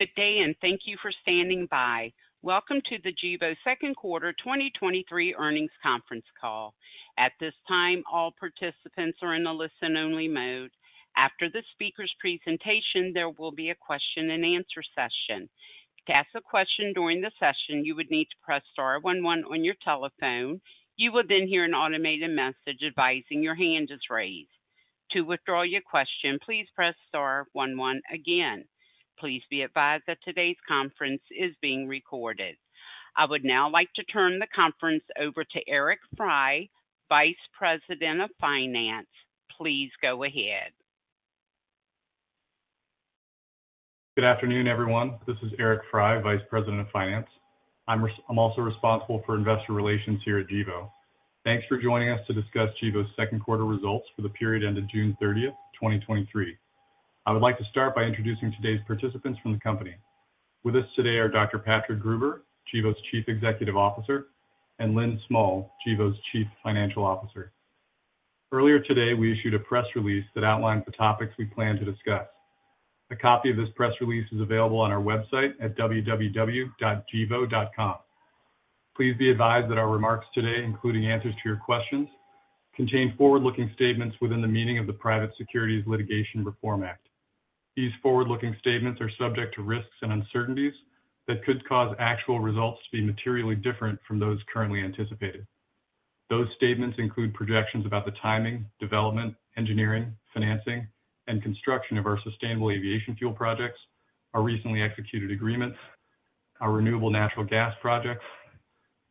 Good day. Thank you for standing by. Welcome to the Gevo second quarter 2023 earnings conference call. At this time, all participants are in a listen-only mode. After the speaker's presentation, there will be a question-and-answer session. To ask a question during the session, you would need to press star one one on your telephone. You will hear an automated message advising your hand is raised. To withdraw your question, please press star one one again. Please be advised that today's conference is being recorded. I would now like to turn the conference over to Eric Frey, Vice President of Finance. Please go ahead. Good afternoon, everyone. This is Eric Frey, Vice President of Finance. I'm also responsible for investor relations here at Gevo. Thanks for joining us to discuss Gevo's second quarter results for the period ended June thirtieth, 2023. I would like to start by introducing today's participants from the company. With us today are Dr. Patrick Gruber, Gevo's Chief Executive Officer, and Lynn Smull, Gevo's Chief Financial Officer. Earlier today, we issued a press release that outlines the topics we plan to discuss. A copy of this press release is available on our website at www.gevo.com. Please be advised that our remarks today, including answers to your questions, contain forward-looking statements within the meaning of the Private Securities Litigation Reform Act. These forward-looking statements are subject to risks and uncertainties that could cause actual results to be materially different from those currently anticipated. Those statements include projections about the timing, development, engineering, financing, and construction of our sustainable aviation fuel projects, our recently executed agreements, our renewable natural gas projects,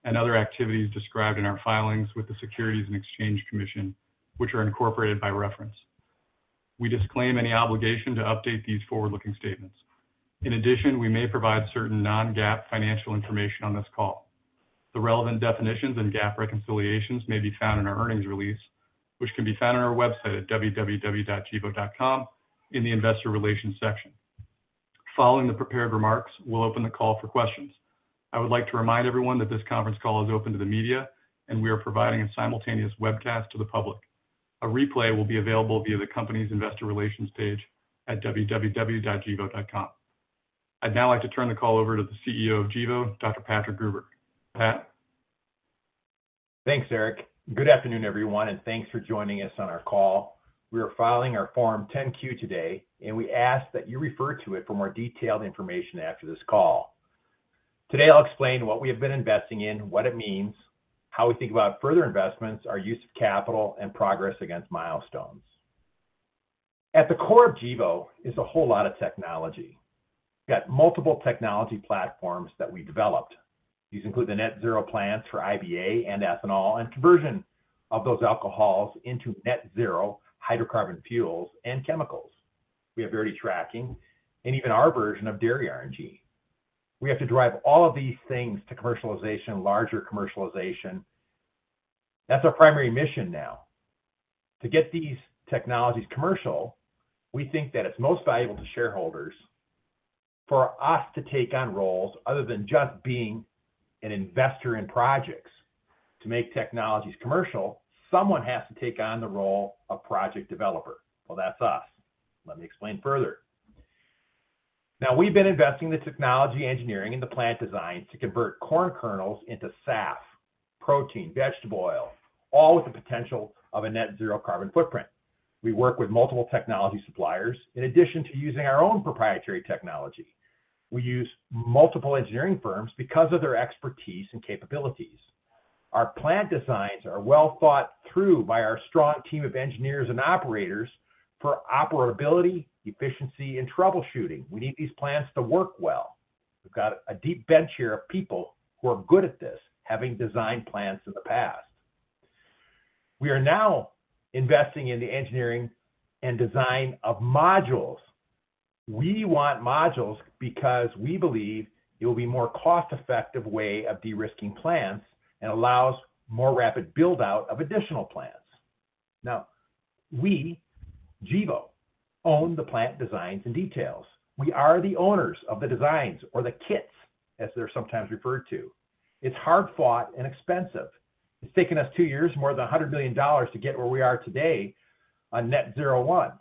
and other activities described in our filings with the Securities and Exchange Commission, which are incorporated by reference. We disclaim any obligation to update these forward-looking statements. In addition, we may provide certain non-GAAP financial information on this call. The relevant definitions and GAAP reconciliations may be found in our earnings release, which can be found on our website at www.gevo.com in the Investor Relations section. Following the prepared remarks, we'll open the call for questions. I would like to remind everyone that this conference call is open to the media, and we are providing a simultaneous webcast to the public. A replay will be available via the company's Investor Relations page at www.gevo.com. I'd now like to turn the call over to the CEO of Gevo, Dr. Patrick Gruber. Pat? Thanks, Eric. Good afternoon, everyone, thanks for joining us on our call. We are filing our Form 10-Q today. We ask that you refer to it for more detailed information after this call. Today, I'll explain what we have been investing in, what it means, how we think about further investments, our use of capital, and progress against milestones. At the core of Gevo is a whole lot of technology. We've got multiple technology platforms that we developed. These include the Net-Zero plants for isobutanol and ethanol, and conversion of those alcohols into Net-Zero hydrocarbon fuels and chemicals. We have Verity tracking and even our version of dairy RNG. We have to drive all of these things to commercialization, larger commercialization. That's our primary mission now. To get these technologies commercial, we think that it's most valuable to shareholders for us to take on roles other than just being an investor in projects. To make technologies commercial, someone has to take on the role of project developer. Well, that's us. Let me explain further. We've been investing the technology, engineering, and the plant design to convert corn kernels into SAF, protein, vegetable oil, all with the potential of a net zero carbon footprint. We work with multiple technology suppliers, in addition to using our own proprietary technology. We use multiple engineering firms because of their expertise and capabilities. Our plant designs are well thought through by our strong team of engineers and operators for operability, efficiency, and troubleshooting. We need these plants to work well. We've got a deep bench here of people who are good at this, having designed plants in the past. We are now investing in the engineering and design of modules. We want modules because we believe it will be more cost-effective way of de-risking plants and allows more rapid build-out of additional plants. Now, we, Gevo, own the plant designs and details. We are the owners of the designs or the kits, as they're sometimes referred to. It's hard-fought and expensive. It's taken us two years and more than $100 million to get where we are today on Net-Zero 1.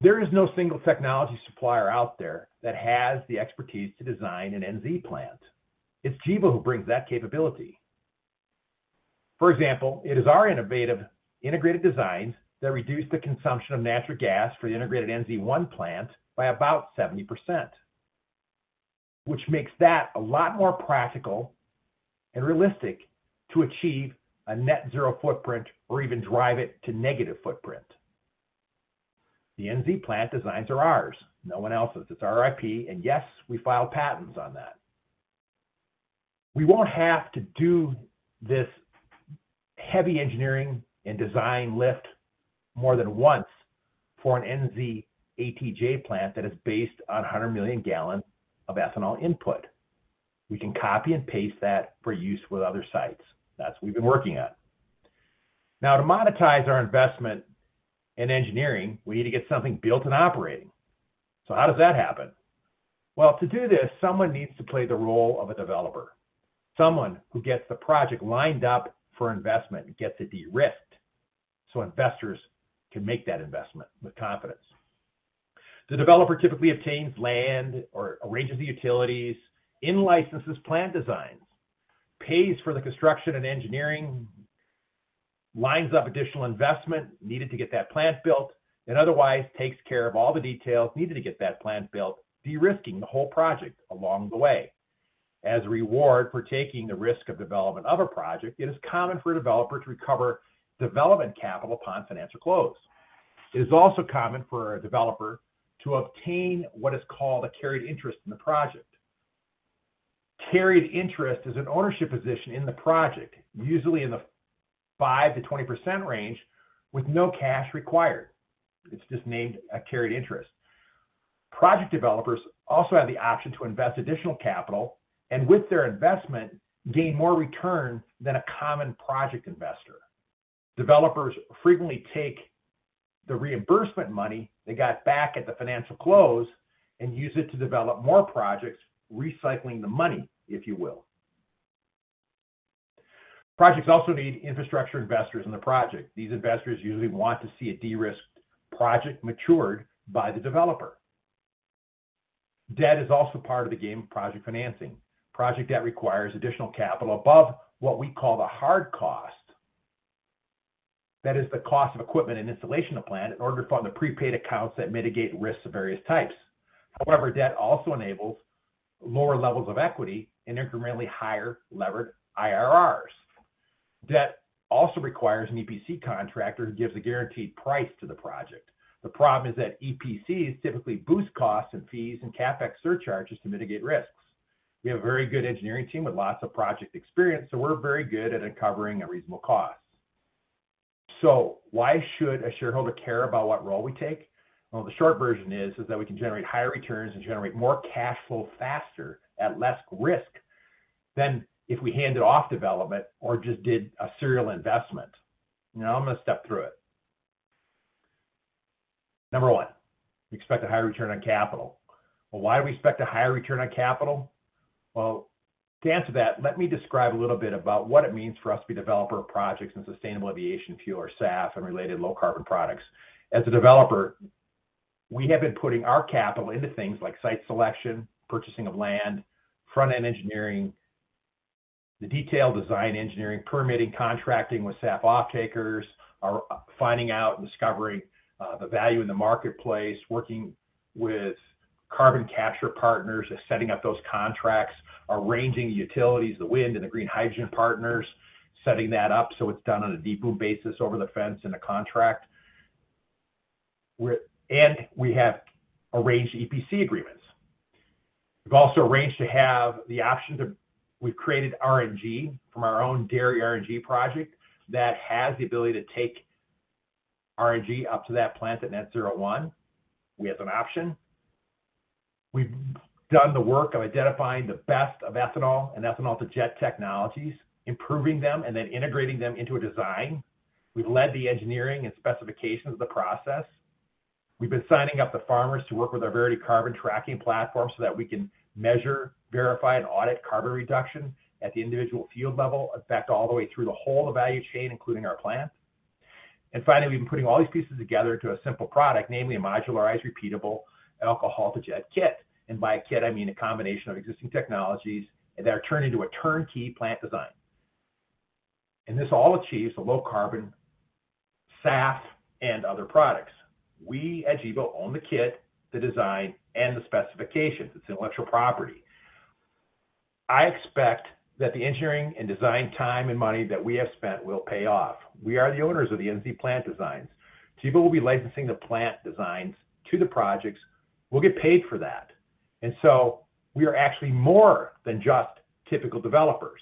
There is no single technology supplier out there that has the expertise to design an NZ plant. It's Gevo who brings that capability. For example, it is our innovative integrated designs that reduce the consumption of natural gas for the integrated NZ-1 plant by about 70%, which makes that a lot more practical and realistic to achieve a net zero footprint or even drive it to negative footprint. The NZ plant designs are ours, no one else's. It's our IP, and yes, we file patents on that. We won't have to do this heavy engineering and design lift more than once for an NZ ATJ plant that is based on 100 million gallon of ethanol input. We can copy and paste that for use with other sites. That's what we've been working on. To monetize our investment in engineering, we need to get something built and operating. How does that happen? Well, to do this, someone needs to play the role of a developer, someone who gets the project lined up for investment and gets it de-risked. Investors can make that investment with confidence. The developer typically obtains land or arranges the utilities, in-licenses plant designs, pays for the construction and engineering, lines up additional investment needed to get that plant built, and otherwise takes care of all the details needed to get that plant built, de-risking the whole project along the way. As a reward for taking the risk of development of a project, it is common for a developer to recover development capital upon financial close. It is also common for a developer to obtain what is called a carried interest in the project. Carried interest is an ownership position in the project, usually in the 5%-20% range, with no cash required. It's just named a carried interest. Project developers also have the option to invest additional capital, and with their investment, gain more return than a common project investor. Developers frequently take the reimbursement money they got back at the financial close and use it to develop more projects, recycling the money, if you will. Projects also need infrastructure investors in the project. These investors usually want to see a de-risked project matured by the developer. Debt is also part of the game of project financing. Project debt requires additional capital above what we call the hard cost. That is the cost of equipment and installation of plant in order to fund the prepaid accounts that mitigate risks of various types. However, debt also enables lower levels of equity and incrementally higher levered IRRs. Debt also requires an EPC contractor who gives a guaranteed price to the project. The problem is that EPCs typically boost costs and fees and CapEx surcharges to mitigate risks. We have a very good engineering team with lots of project experience, we're very good at uncovering a reasonable cost. Why should a shareholder care about what role we take? Well, the short version is, is that we can generate higher returns and generate more cash flow faster at less risk than if we handed off development or just did a serial investment. I'm going to step through it. Number 1, we expect a higher return on capital. Well, why do we expect a higher return on capital? Well, to answer that, let me describe a little bit about what it means for us to be a developer of projects in sustainable aviation fuel or SAF and related low-carbon products. As a developer, we have been putting our capital into things like site selection, purchasing of land, front-end engineering, the detailed design engineering, permitting, contracting with SAF offtakers, or finding out and discovering the value in the marketplace, working with carbon capture partners and setting up those contracts, arranging the utilities, the wind, and the green hydrogen partners, setting that up so it's done on a deep boom basis over the fence in a contract. We have arranged EPC agreements. We've also arranged to have the option. We've created RNG from our own dairy RNG project that has the ability to take RNG up to that plant at Net-Zero 1. We have an option. We've done the work of identifying the best of ethanol and ethanol-to-jet technologies, improving them, and then integrating them into a design. We've led the engineering and specifications of the process. We've been signing up the farmers to work with our Verity carbon tracking platform so that we can measure, verify, and audit carbon reduction at the individual field level, in fact, all the way through the whole of value chain, including our plant. Finally, we've been putting all these pieces together into a simple product, namely a modularized, repeatable alcohol-to-jet kit. By a kit, I mean a combination of existing technologies that are turned into a turnkey plant design. This all achieves the low-carbon SAF and other products. We at Gevo own the kit, the design, and the specifications. It's intellectual property. I expect that the engineering and design time and money that we have spent will pay off. We are the owners of the NZ plant designs. Gevo will be licensing the plant designs to the projects. We'll get paid for that. We are actually more than just typical developers.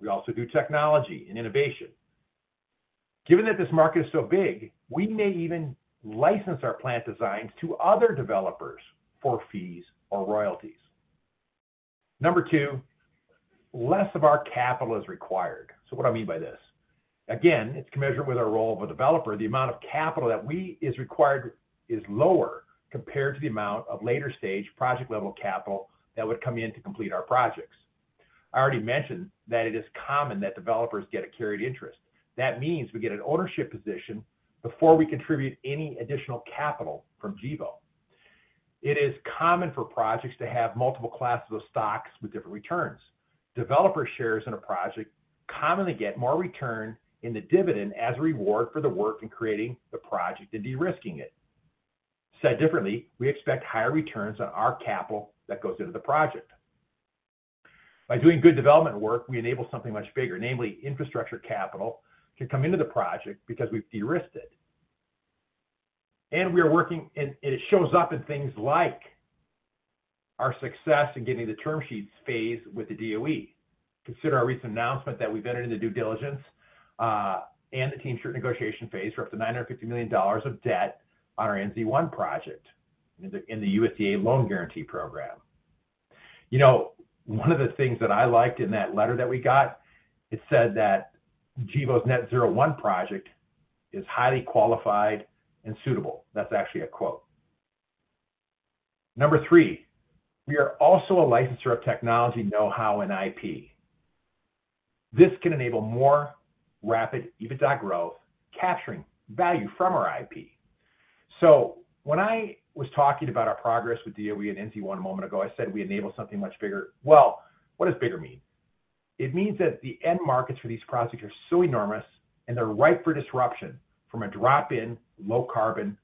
We also do technology and innovation. Given that this market is so big, we may even license our plant designs to other developers for fees or royalties. Number two, less of our capital is required. What do I mean by this? Again, it's commensurate with our role of a developer. The amount of capital that is required is lower compared to the amount of later-stage project-level capital that would come in to complete our projects. I already mentioned that it is common that developers get a carried interest. That means we get an ownership position before we contribute any additional capital from Gevo. It is common for projects to have multiple classes of stocks with different returns. Developer shares in a project commonly get more return in the dividend as a reward for the work in creating the project and de-risking it. Said differently, we expect higher returns on our capital that goes into the project. By doing good development work, we enable something much bigger, namely, infrastructure capital to come into the project because we've de-risked it. It shows up in things like our success in getting the term sheets phase with the DOE. Consider our recent announcement that we've entered into due diligence and the team sheet negotiation phase for up to $950 million of debt on our NZ1 project in the USDA loan guarantee program. You know, one of the things that I liked in that letter that we got, it said that Gevo's Net-Zero 1 project is highly qualified and suitable. That's actually a quote. Number three, we are also a licensor of technology know-how and IP. This can enable more rapid EBITDA growth, capturing value from our IP. When I was talking about our progress with DOE and NZ1 a moment ago, I said we enabled something much bigger. Well, what does bigger mean? It means that the end markets for these projects are so enormous, and they're ripe for disruption from a drop-in, low carbon,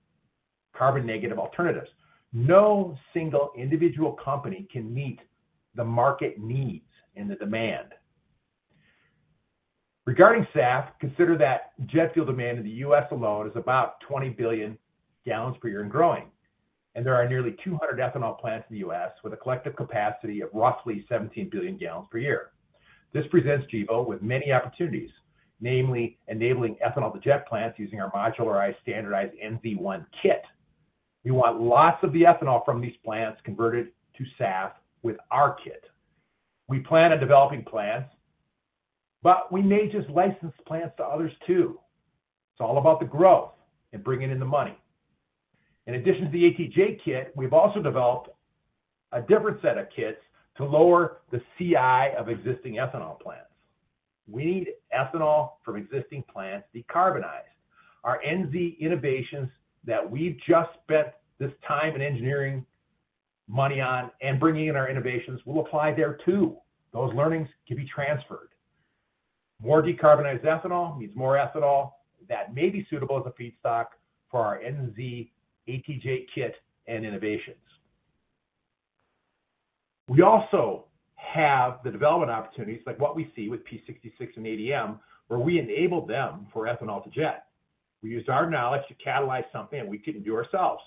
carbon negative alternatives. No single individual company can meet the market needs and the demand. Regarding SAF, consider that jet fuel demand in the US alone is about 20 billion gallons per year and growing. There are nearly 200 ethanol plants in the US with a collective capacity of roughly 17 billion gallons per year. This presents Gevo with many opportunities, namely enabling ethanol to jet plants using our modularized, standardized NZ1 kit. We want lots of the ethanol from these plants converted to SAF with our kit. We plan on developing plants, but we may just license plants to others, too. It's all about the growth and bringing in the money. In addition to the ATJ kit, we've also developed a different set of kits to lower the CI of existing ethanol plants. We need ethanol from existing plants decarbonized. Our NZ innovations that we've just spent this time and engineering money on, and bringing in our innovations, will apply there too. Those learnings can be transferred. More decarbonized ethanol means more ethanol that may be suitable as a feedstock for our NZ ATJ kit and innovations. We also have the development opportunities, like what we see with P66 and ADM, where we enabled them for ethanol to jet. We used our knowledge to catalyze something, we couldn't do ourselves.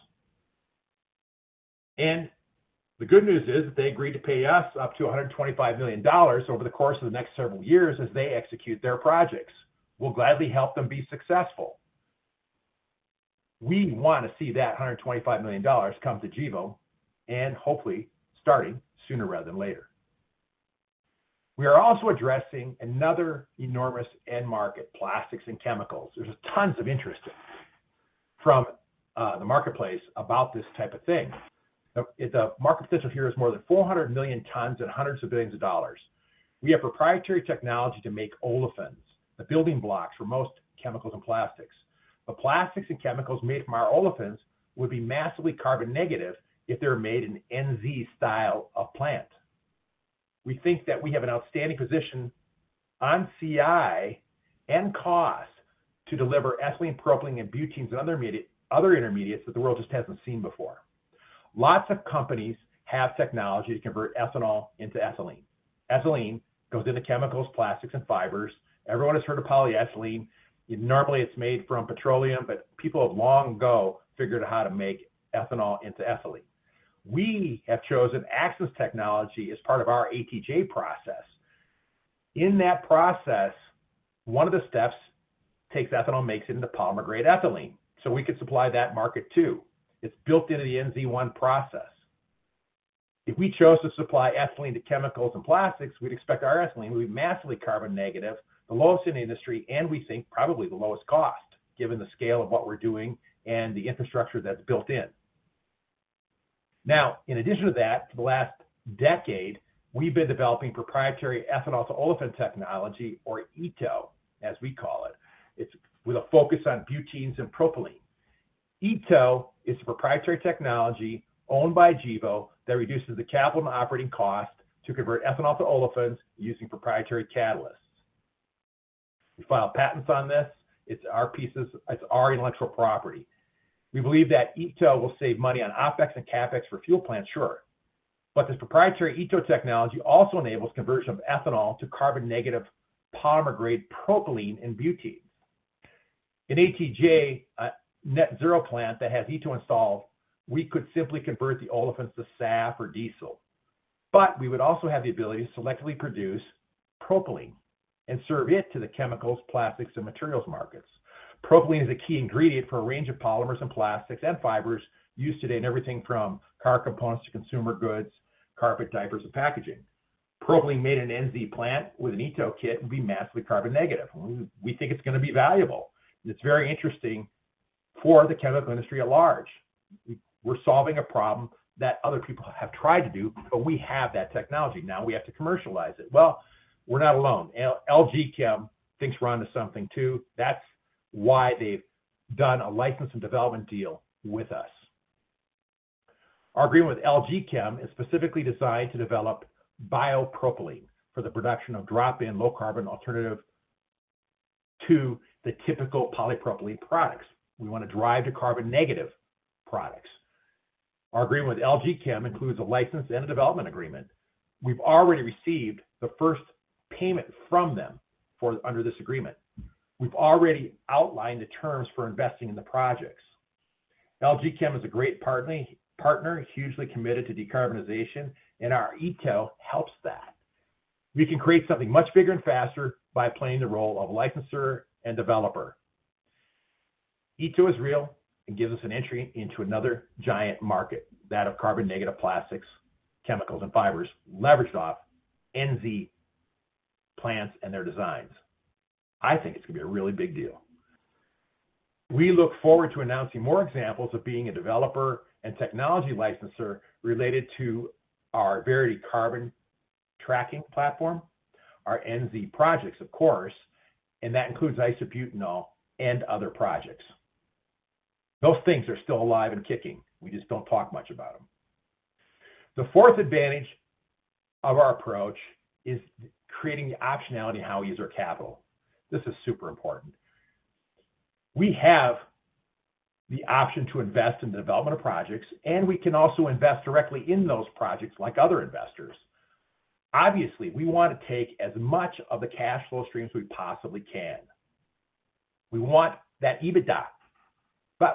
The good news is, they agreed to pay us up to $125 million over the course of the next several years as they execute their projects. We'll gladly help them be successful. We want to see that $125 million come to Gevo, and hopefully starting sooner rather than later. We are also addressing another enormous end market, plastics and chemicals. There's tons of interest from the marketplace about this type of thing. The market position here is more than 400 million tons and hundreds of billions of dollars. We have proprietary technology to make olefins, the building blocks for most chemicals and plastics. The plastics and chemicals made from our olefins would be massively carbon negative if they were made in NZ style of plant. We think that we have an outstanding position on CI and cost to deliver ethylene, propylene, and butenes, and other intermediates that the world just hasn't seen before. Lots of companies have technology to convert ethanol into ethylene. Ethylene goes into chemicals, plastics, and fibers. Everyone has heard of polyethylene. Normally, it's made from petroleum, but people have long ago figured out how to make ethanol into ethylene. We have chosen Axens Technology as part of our ATJ process. In that process, one of the steps takes ethanol, makes it into polymer-grade ethylene, so we could supply that market too. It's built into the Net-Zero 1 process. If we chose to supply ethylene to chemicals and plastics, we'd expect our ethylene would be massively carbon negative, the lowest in the industry, and we think probably the lowest cost, given the scale of what we're doing and the infrastructure that's built in. In addition to that, for the last decade, we've been developing proprietary ethanol to Olefins technology, or ETO, as we call it. It's with a focus on butenes and propylene. ETO is a proprietary technology owned by Gevo that reduces the capital and operating cost to convert ethanol to olefins using proprietary catalysts. We filed patents on this. It's our pieces. It's our intellectual property. We believe that ETO will save money on OpEx and CapEx for fuel plants, sure. This proprietary ETO technology also enables conversion of ethanol to carbon negative polymer-grade propylene and butene. An ATJ net zero plant that has ETO installed, we could simply convert the olefins to SAF or diesel, but we would also have the ability to selectively produce propylene and serve it to the chemicals, plastics, and materials markets. Propylene is a key ingredient for a range of polymers and plastics and fibers used today in everything from car components to consumer goods, carpet, diapers, and packaging. Propylene made in an NZ plant with an ETO kit would be massively carbon negative. We think it's gonna be valuable. It's very interesting for the chemical industry at large. We're solving a problem that other people have tried to do, but we have that technology. Now we have to commercialize it. Well, we're not alone. LG Chem thinks we're onto something, too. That's why they've done a license and development deal with us. Our agreement with LG Chem is specifically designed to develop bio-propylene for the production of drop-in, low-carbon alternative to the typical polypropylene products. We want to drive to carbon-negative products. Our agreement with LG Chem includes a license and a development agreement. We've already received the first payment from them under this agreement. We've already outlined the terms for investing in the projects. LG Chem is a great partner, hugely committed to decarbonization, and our ETO helps that. We can create something much bigger and faster by playing the role of licensor and developer. ETO is real and gives us an entry into another giant market, that of carbon negative plastics, chemicals, and fibers, leveraged off NZ plants and their designs. I think it's gonna be a really big deal. We look forward to announcing more examples of being a developer and technology licensor related to our Verity carbon tracking platform, our NZ projects, of course, and that includes isobutanol and other projects. Those things are still alive and kicking. We just don't talk much about them. The fourth advantage of our approach is creating the optionality in how we use our capital. This is super important. We have the option to invest in the development of projects, and we can also invest directly in those projects like other investors. Obviously, we want to take as much of the cash flow streams we possibly can. We want that EBITDA.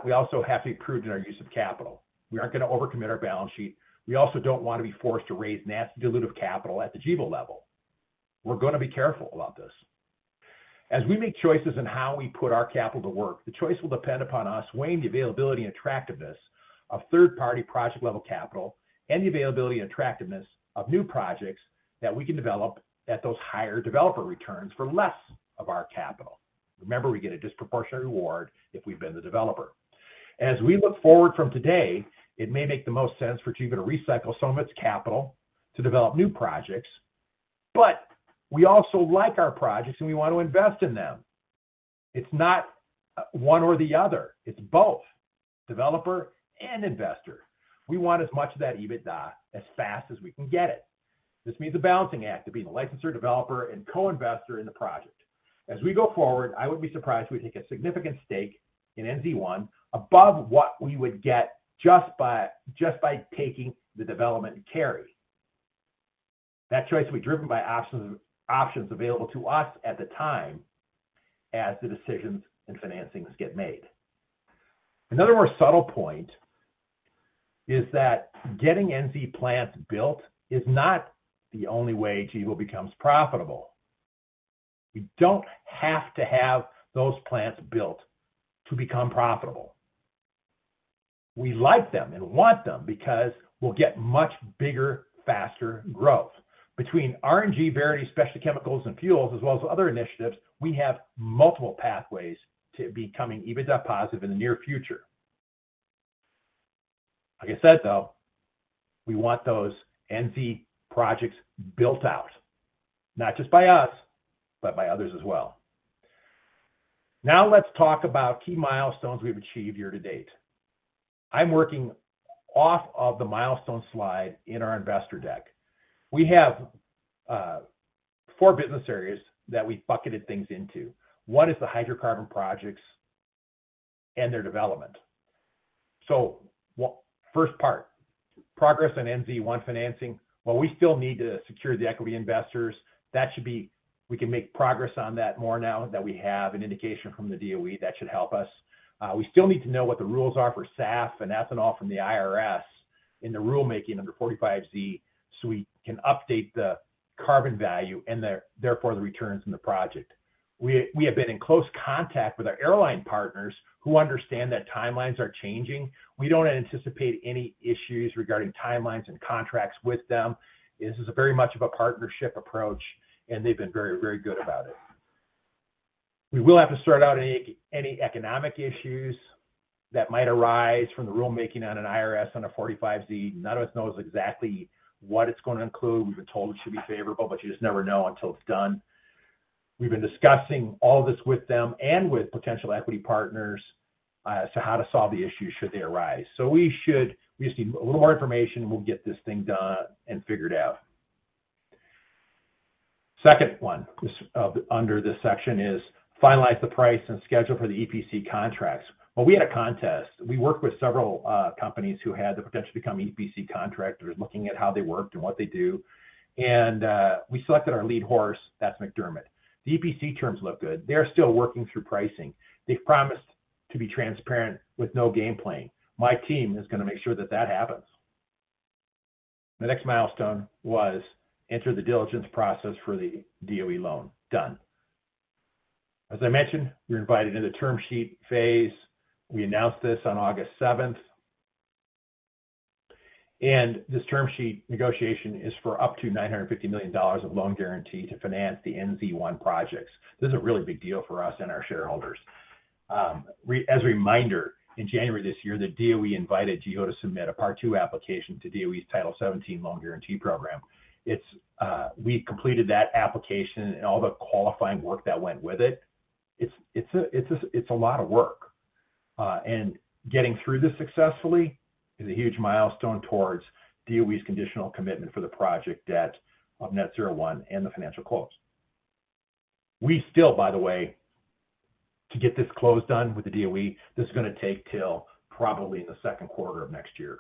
We also have to be prudent in our use of capital. We aren't going to overcommit our balance sheet. We also don't want to be forced to raise nasty dilutive capital at the Gevo level. We're going to be careful about this. We make choices in how we put our capital to work, the choice will depend upon us weighing the availability and attractiveness of third-party project-level capital, and the availability and attractiveness of new projects that we can develop at those higher developer returns for less of our capital. Remember, we get a disproportionate reward if we've been the developer. We look forward from today, it may make the most sense for Gevo to recycle some of its capital to develop new projects. We also like our projects, and we want to invest in them. It's not one or the other, it's both developer and investor. We want as much of that EBITDA as fast as we can get it. This means a balancing act to be the licensor, developer, and co-investor in the project. As we go forward, I would be surprised if we take a significant stake in NZ1 above what we would get just by, just by taking the development carry. That choice will be driven by options, options available to us at the time as the decisions and financings get made. Another more subtle point is that getting NZ plants built is not the only way Gevo becomes profitable. We don't have to have those plants built to become profitable. We like them and want them because we'll get much bigger, faster growth. Between RNG, Verity, Specialty Chemicals, and Fuels, as well as other initiatives, we have multiple pathways to becoming EBITDA positive in the near future. Like I said, though, we want those NZ projects built out, not just by us, but by others as well. Now, let's talk about key milestones we've achieved year to date. I'm working off of the milestone slide in our investor deck. We have four business areas that we've bucketed things into. One is the hydrocarbon projects and their development. First part, progress on NZ1 financing. While we still need to secure the equity investors, that should be, we can make progress on that more now that we have an indication from the DOE. That should help us. We still need to know what the rules are for SAF and ethanol from the IRS in the rulemaking under 45Z, so we can update the carbon value and therefore, the returns from the project. We have been in close contact with our airline partners who understand that timelines are changing. We don't anticipate any issues regarding timelines and contracts with them. This is a very much of a partnership approach, and they've been very, very good about it. We will have to sort out any economic issues that might arise from the rulemaking on an IRS on a 45Z. None of us knows exactly what it's going to include. We've been told it should be favorable, but you just never know until it's done. We've been discussing all this with them and with potential equity partners as to how to solve the issues should they arise. We should just need a little more information, and we'll get this thing done and figured out. Second, under this section is finalize the price and schedule for the EPC contracts. We had a contest. We worked with several companies who had the potential to become EPC contractors, looking at how they worked and what they do, and we selected our lead horse, that's McDermott. The EPC terms look good. They are still working through pricing. They've promised to be transparent with no game playing. My team is going to make sure that that happens. The next milestone was enter the diligence process for the DOE loan. Done. As I mentioned, we were invited into the term sheet phase. We announced this on August seventh. This term sheet negotiation is for up to $950 million of loan guarantee to finance the NZ1 projects. This is a really big deal for us and our shareholders. As a reminder, in January this year, the DOE invited Gevo to submit a Part Two application to DOE's Title 17 loan guarantee program. We completed that application and all the qualifying work that went with it. It's a lot of work, and getting through this successfully is a huge milestone towards DOE's conditional commitment for the project debt of Net-Zero 1 and the financial close. We still, by the way, to get this close done with the DOE, this is going to take till probably the second quarter of next year.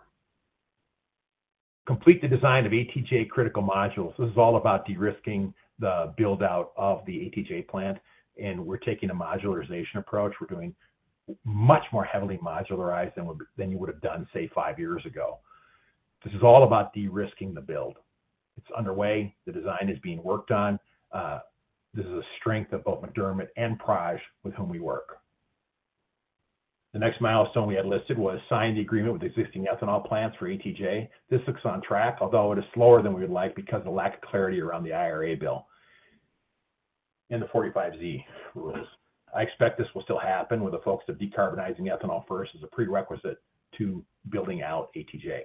Complete the design of ATJ critical modules. This is all about de-risking the build-out of the ATJ plant, and we're taking a modularization approach. We're doing much more heavily modularized than you would have done, say, five years ago. This is all about de-risking the build. It's underway. The design is being worked on. This is a strength of both McDermott and Praj, with whom we work. The next milestone we had listed was sign the agreement with existing ethanol plants for ATJ. This looks on track, although it is slower than we would like because of the lack of clarity around the IRA bill. The 45Z rules. I expect this will still happen with the folks of decarbonizing ethanol first as a prerequisite to building out ATJ.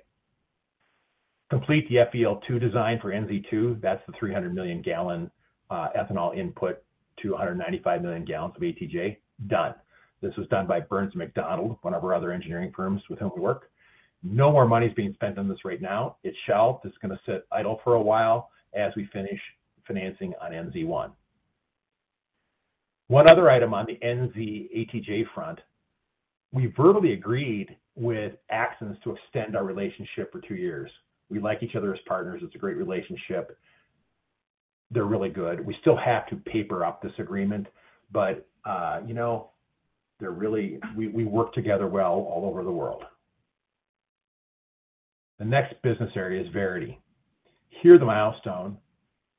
Complete the FEL-2 design for NZ-2. That's the 300 million gallon ethanol input to 195 million gallons of ATJ. Done. This was done by Burns & McDonnell, one of our other engineering firms with whom we work. No more money is being spent on this right now. It's shelved. It's going to sit idle for a while as we finish financing on NZ-1. One other item on the NZ ATJ front, we verbally agreed with Axens to extend our relationship for two years. We like each other as partners. It's a great relationship. They're really good. We still have to paper up this agreement, but, you know, we, we work together well all over the world. The next business area is Verity. Here, the milestone,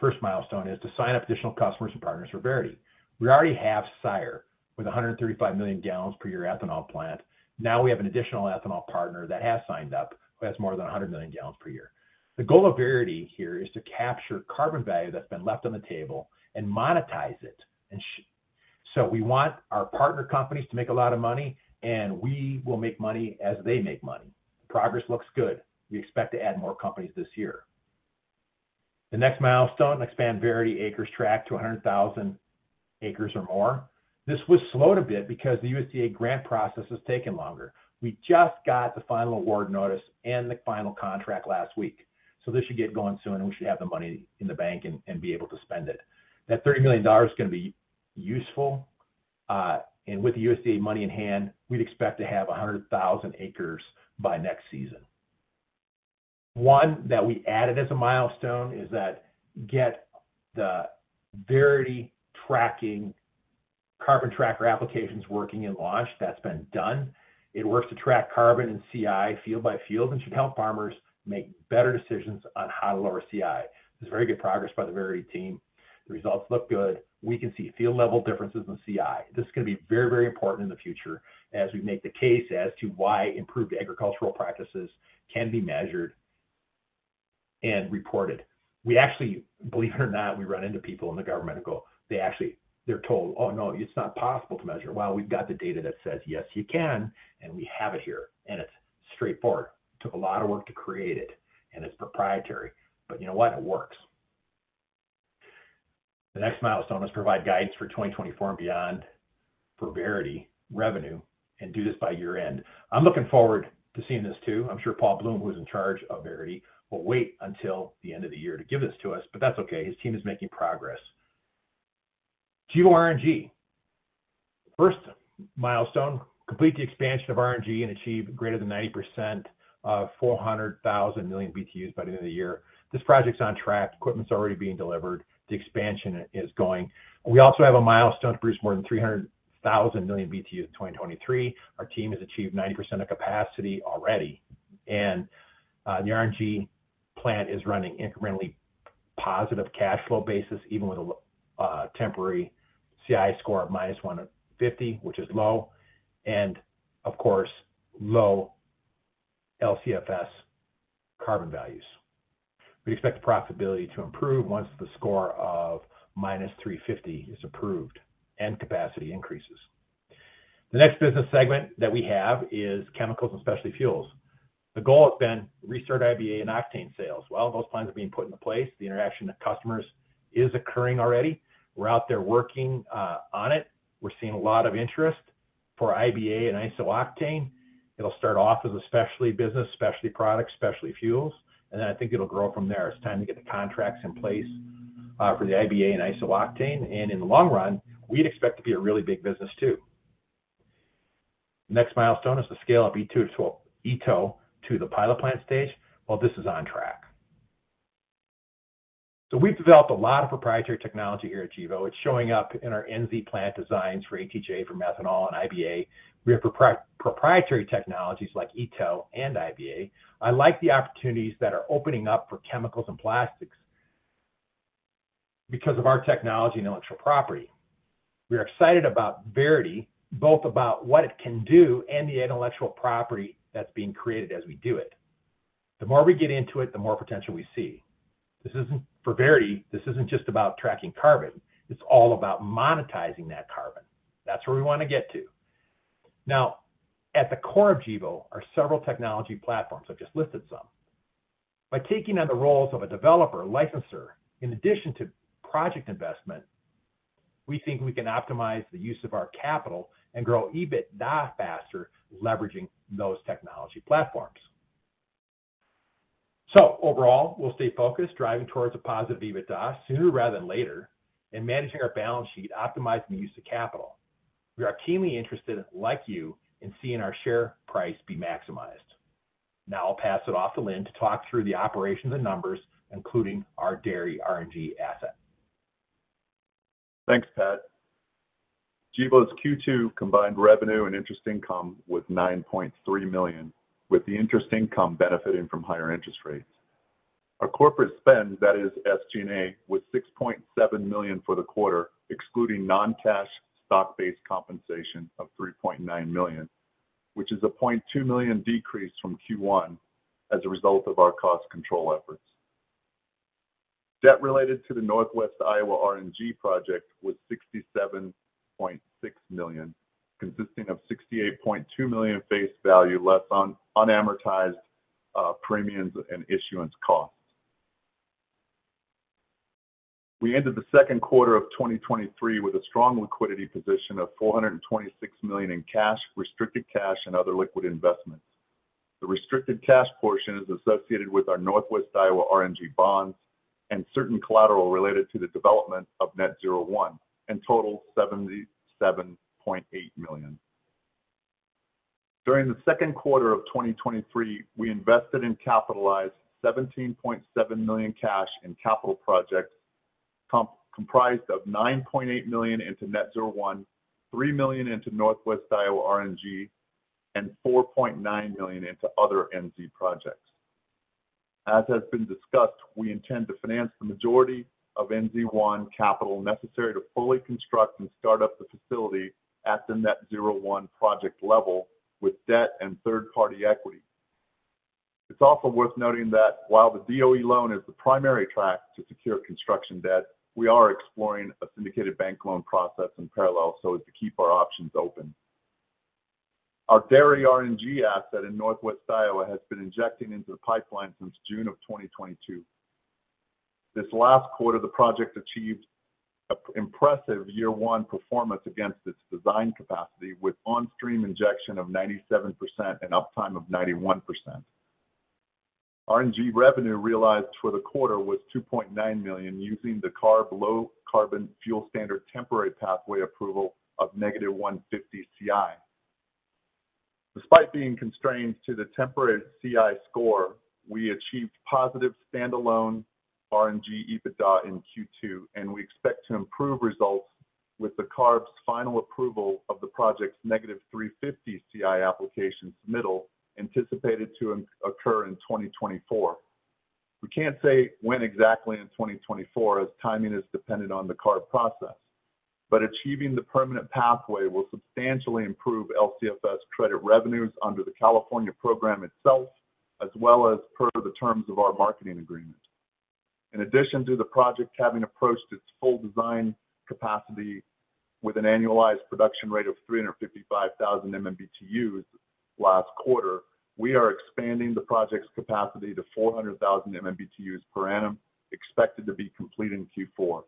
first milestone, is to sign up additional customers and partners for Verity. We already have SIRE with a 135 million gallons per year ethanol plant. We have an additional ethanol partner that has signed up, who has more than 100 million gallons per year. The goal of Verity here is to capture carbon value that's been left on the table and monetize it. We want our partner companies to make a lot of money, and we will make money as they make money. Progress looks good. We expect to add more companies this year. The next milestone, expand Verity acres tracked to 100,000 acres or more. This was slowed a bit because the USDA grant process has taken longer. We just got the final award notice and the final contract last week. This should get going soon, and we should have the money in the bank and be able to spend it. That $30 million is going to be useful. With the USDA money in hand, we'd expect to have 100,000 acres by next season. One that we added as a milestone is that get the Verity tracking carbon tracker applications working in launch. That's been done. It works to track carbon and CI field by field, and should help farmers make better decisions on how to lower CI. This is very good progress by the Verity team. The results look good. We can see field-level differences in CI. This is going to be very, very important in the future as we make the case as to why improved agricultural practices can be measured and reported. We actually, believe it or not, we run into people in the government who they're told, "Oh, no, it's not possible to measure." Well, we've got the data that says, "Yes, you can," and we have it here, and it's straightforward. Took a lot of work to create it, and it's proprietary, but you know what? It works. The next milestone is provide guidance for 2024 and beyond for Verity revenue, and do this by year-end. I'm looking forward to seeing this, too. I'm sure Paul Bloom, who's in charge of Verity, will wait until the end of the year to give this to us, but that's okay. His team is making progress. Gevo RNG. First milestone, complete the expansion of RNG and achieve greater than 90% of 400,000 MMBtus by the end of the year. This project's on track. Equipment's already being delivered. The expansion is going. We also have a milestone to produce more than 300,000 MMBtus in 2023. Our team has achieved 90% of capacity already, and the RNG plant is running incrementally positive cash flow basis, even with a temporary CI score of minus 150, which is low, and of course, low LCFS carbon values. We expect the profitability to improve once the score of minus 350 is approved and capacity increases. The next business segment that we have is chemicals and specialty fuels. The goal has been to restart isobutanol and octane sales. Well, those plans are being put into place. The interaction with customers is occurring already. We're out there working on it. We're seeing a lot of interest for isobutanol and isooctane. It'll start off as a specialty business, specialty product, specialty fuels, and then I think it'll grow from there. It's time to get the contracts in place for the isobutanol and isooctane, and in the long run, we'd expect to be a really big business, too. Next milestone is to scale up E two twelve, ETO, to the pilot plant stage. Well, this is on track. We've developed a lot of proprietary technology here at Gevo. It's showing up in our NZ plant designs for ATJ, for methanol, and isobutanol. We have proprietary technologies like ETO and isobutanol. I like the opportunities that are opening up for chemicals and plastics because of our technology and intellectual property. We are excited about Verity, both about what it can do and the intellectual property that's being created as we do it. The more we get into it, the more potential we see. This isn't for Verity, this isn't just about tracking carbon, it's all about monetizing that carbon. That's where we want to get to. Now, at the core of Gevo are several technology platforms. I've just listed some. By taking on the roles of a developer, licensor, in addition to project investment, we think we can optimize the use of our capital and grow EBITDA faster, leveraging those technology platforms. Overall, we'll stay focused, driving towards a positive EBITDA sooner rather than later, and managing our balance sheet, optimizing the use of capital. We are keenly interested, like you, in seeing our share price be maximized. I'll pass it off to Lynn to talk through the operations and numbers, including our dairy RNG asset. Thanks, Pat. Gevo's Q2 combined revenue and interest income was $9.3 million, with the interest income benefiting from higher interest rates. Our corporate spend, that is SG&A, was $6.7 million for the quarter, excluding non-cash stock-based compensation of $3.9 million, which is a $0.2 million decrease from Q1 as a result of our cost control efforts. Debt related to the Northwest Iowa RNG project was $67.6 million, consisting of $68.2 million face value, less unamortized premiums and issuance costs. We ended the second quarter of 2023 with a strong liquidity position of $426 million in cash, restricted cash, and other liquid investments. The restricted cash portion is associated with our Northwest Iowa RNG bonds and certain collateral related to the development of Net-Zero 1, and total $77.8 million. During the second quarter of 2023, we invested and capitalized $17.7 million cash in capital projects, comprised of $9.8 million into Net-Zero 1, $3 million into Northwest Iowa RNG, and $4.9 million into other NZ projects. As has been discussed, we intend to finance the majority of NZ1 capital necessary to fully construct and start up the facility at the Net-Zero 1 project level with debt and third-party equity. It's also worth noting that while the DOE loan is the primary track to secure construction debt, we are exploring a syndicated bank loan process in parallel, as to keep our options open. Our dairy RNG asset in Northwest Iowa has been injecting into the pipeline since June of 2022. This last quarter, the project achieved a impressive year-one performance against its design capacity, with on-stream injection of 97% and uptime of 91%. RNG revenue realized for the quarter was $2.9 million, using the CARB Low Carbon Fuel Standard temporary pathway approval of -150 CI. Despite being constrained to the temporary CI score, we achieved positive standalone RNG EBITDA in Q2, and we expect to improve results with the CARB's final approval of the project's -350 CI application submittal, anticipated to occur in 2024. We can't say when exactly in 2024, as timing is dependent on the CARB process, but achieving the permanent pathway will substantially improve LCFS credit revenues under the California program itself, as well as per the terms of our marketing agreement. In addition to the project having approached its full design capacity with an annualized production rate of 355,000 MMBtus last quarter, we are expanding the project's capacity to 400,000 MMBtus per annum, expected to be complete in Q4.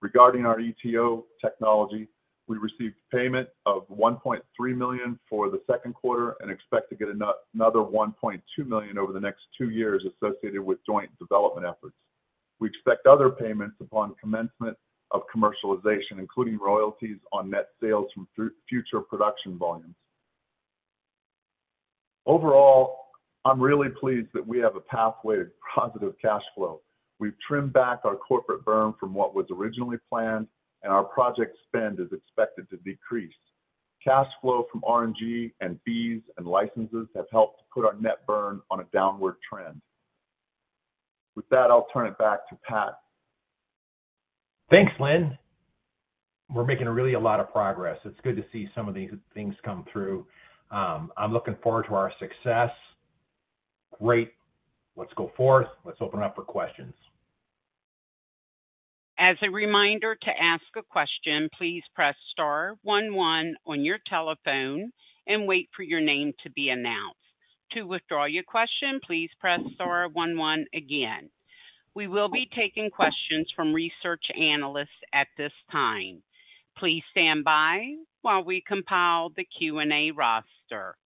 Regarding our ETO technology, we received payment of $1.3 million for the second quarter and expect to get another $1.2 million over the next two years associated with joint development efforts. We expect other payments upon commencement of commercialization, including royalties on net sales from future production volumes. Overall, I'm really pleased that we have a pathway to positive cash flow. We've trimmed back our corporate burn from what was originally planned, and our project spend is expected to decrease. Cash flow from RNG and fees and licenses have helped to put our net burn on a downward trend. With that, I'll turn it back to Pat. Thanks, Lynn. We're making really a lot of progress. It's good to see some of these things come through. I'm looking forward to our success. Great. Let's go forth. Let's open up for questions. As a reminder, to ask a question, please press star one one on your telephone and wait for your name to be announced. To withdraw your question, please press star one one again. We will be taking questions from research analysts at this time. Please stand by while we compile the Q&A roster.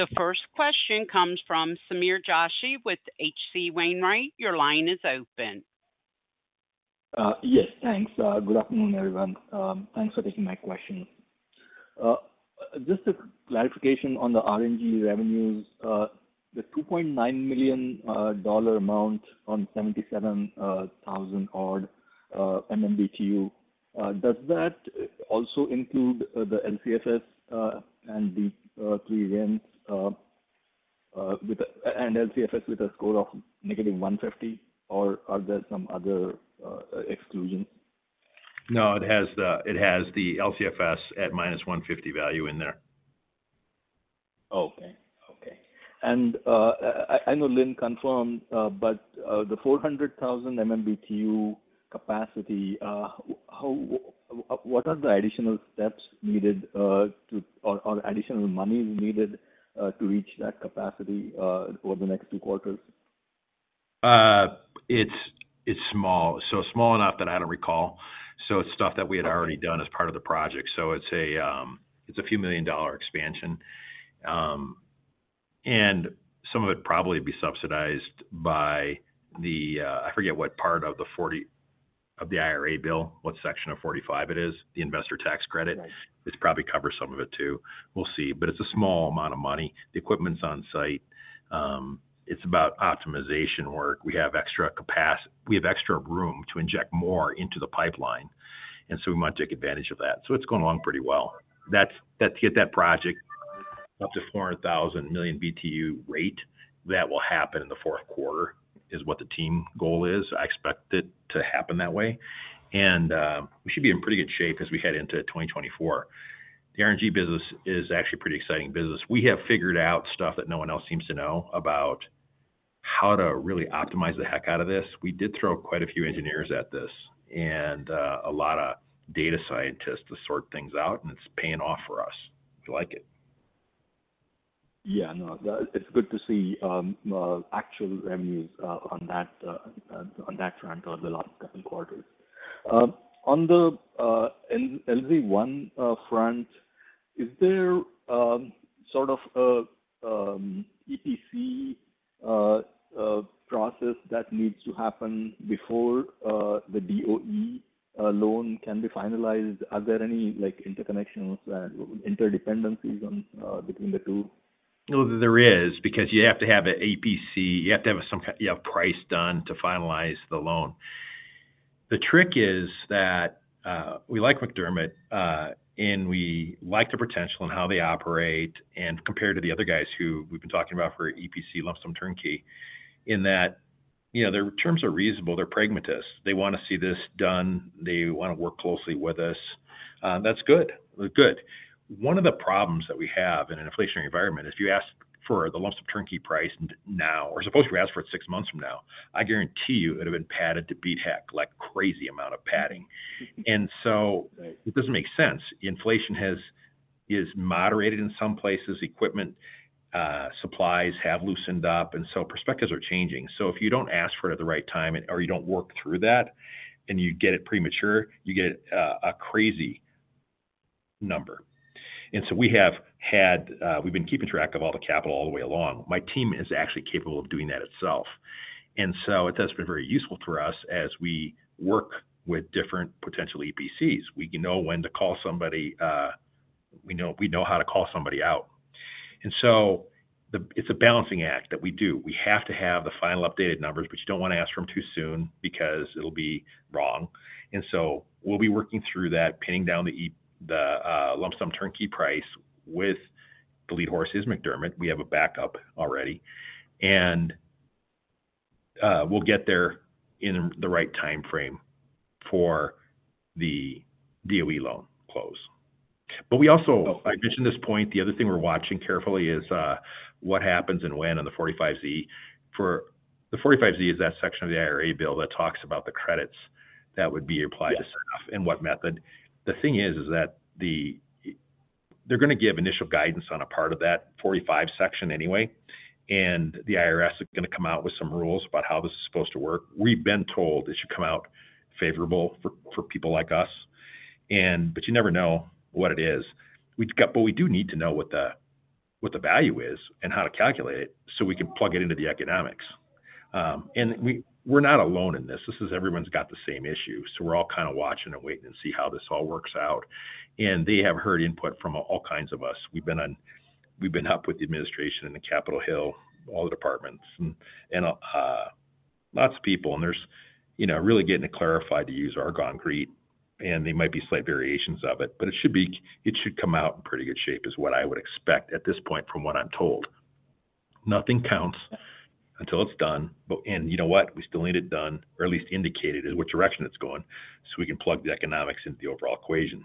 The first question comes from Sameer Joshi with H.C. Wainwright. Your line is open. Yes, thanks. Good afternoon, everyone. Thanks for taking my question. Just a clarification on the RNG revenues. The $2.9 million dollar amount on 77,000 odd MMBtu, does that also include the LCFS and the three rents with the and LCFS with a score of -150, or are there some other exclusions? No, it has the, it has the LCFS at -150 value in there. Okay. Okay. I, I know Lynn confirmed, but, the 400,000 MMBTU capacity, what are the additional steps needed, to or, or additional money needed, to reach that capacity, over the next two quarters? It's small. Small enough that I don't recall. It's stuff that we had already done as part of the project. It's a few million dollar expansion. Some of it probably be subsidized by the, I forget what part of the IRA bill, what section of 45Z it is, the investor tax credit. Right. This probably covers some of it, too. We'll see. It's a small amount of money. The equipment's on site. It's about optimization work. We have extra room to inject more into the pipeline, and so we want to take advantage of that. It's going along pretty well. That's, that's get that project up to 400,000 MMBtu rate. That will happen in the fourth quarter, is what the team goal is. I expect it to happen that way, and we should be in pretty good shape as we head into 2024. The RNG business is actually a pretty exciting business. We have figured out stuff that no one else seems to know about how to really optimize the heck out of this. We did throw quite a few engineers at this, and a lot of data scientists to sort things out, and it's paying off for us. We like it. Yeah. No, it's good to see actual revenues on that on that front over the last two quarters. On the NZ1 front, is there sort of a EPC process that needs to happen before the DOE loan can be finalized? Are there any, like, interconnections and interdependencies on between the two? Well, there is, because you have to have an EPC. You have to have some you have price done to finalize the loan. The trick is that we like McDermott and we like the potential in how they operate, and compared to the other guys who we've been talking about for EPC lump sum turnkey, in that, you know, their terms are reasonable, they're pragmatists. They wanna see this done, they wanna work closely with us. That's good. Good. One of the problems that we have in an inflationary environment is if you ask for the lump sum turnkey price now, or suppose if you ask for it six months from now, I guarantee you it'd have been padded to beat heck, like crazy amount of padding. Right. It doesn't make sense. Inflation has is moderated in some places, equipment, supplies have loosened up, perspectives are changing. If you don't ask for it at the right time, or you don't work through that, and you get it premature, you get a crazy number. We have had, we've been keeping track of all the capital all the way along. My team is actually capable of doing that itself, and so it has been very useful for us as we work with different potential EPCs. We can know when to call somebody. We know, we know how to call somebody out. It's a balancing act that we do. We have to have the final updated numbers, but you don't wanna ask for them too soon because it'll be wrong. So we'll be working through that, pinning down the lump sum turnkey price with the lead horses, McDermott. We have a backup already. We'll get there in the right timeframe for the DOE loan close. We also-- I mentioned this point, the other thing we're watching carefully is what happens and when on the 45Z. The 45Z is that section of the IRA bill that talks about the credits that would be applied to certain stuff... Yeah What method. The thing is, is that the they're gonna give initial guidance on a part of that 45 section anyway, the IRS is gonna come out with some rules about how this is supposed to work. We've been told it should come out favorable for, for people like us, but you never know what it is. We do need to know what the, what the value is and how to calculate it, so we can plug it into the economics. We're not alone in this. This is everyone's got the same issue, so we're all kind of watching and waiting to see how this all works out. They have heard input from all kinds of us. We've been up with the administration and the Capitol Hill, all the departments and, and lots of people, and there's, you know, really getting it clarified to use Argonne GREET, and there might be slight variations of it, but it should come out in pretty good shape, is what I would expect at this point, from what I'm told. Nothing counts until it's done. You know what? We still need it done, or at least indicated in which direction it's going, so we can plug the economics into the overall equation.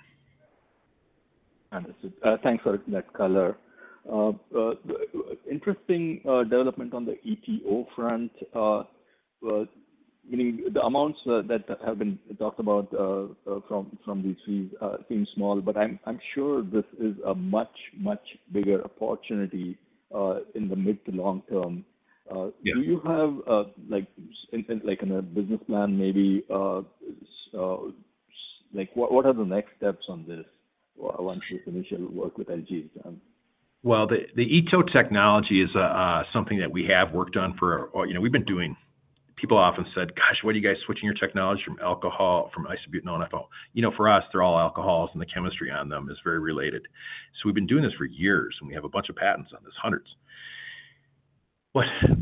Understood. Thanks for that color. Interesting development on the ETO front, meaning the amounts that have been talked about from these fees seem small, but I'm sure this is a much, much bigger opportunity in the mid to long term. Yeah. Do you have, like, in, like in a business plan, maybe, like, what, what are the next steps on this once you finish your work with LG? Well, the ETO technology is something that we have worked on for, you know, we've been doing. People often said, "Gosh, why are you guys switching your technology from alcohol, from isobutanol and ethanol?" You know, for us, they're all alcohols, and the chemistry on them is very related. So we've been doing this for years, and we have a bunch of patents on this, hundreds.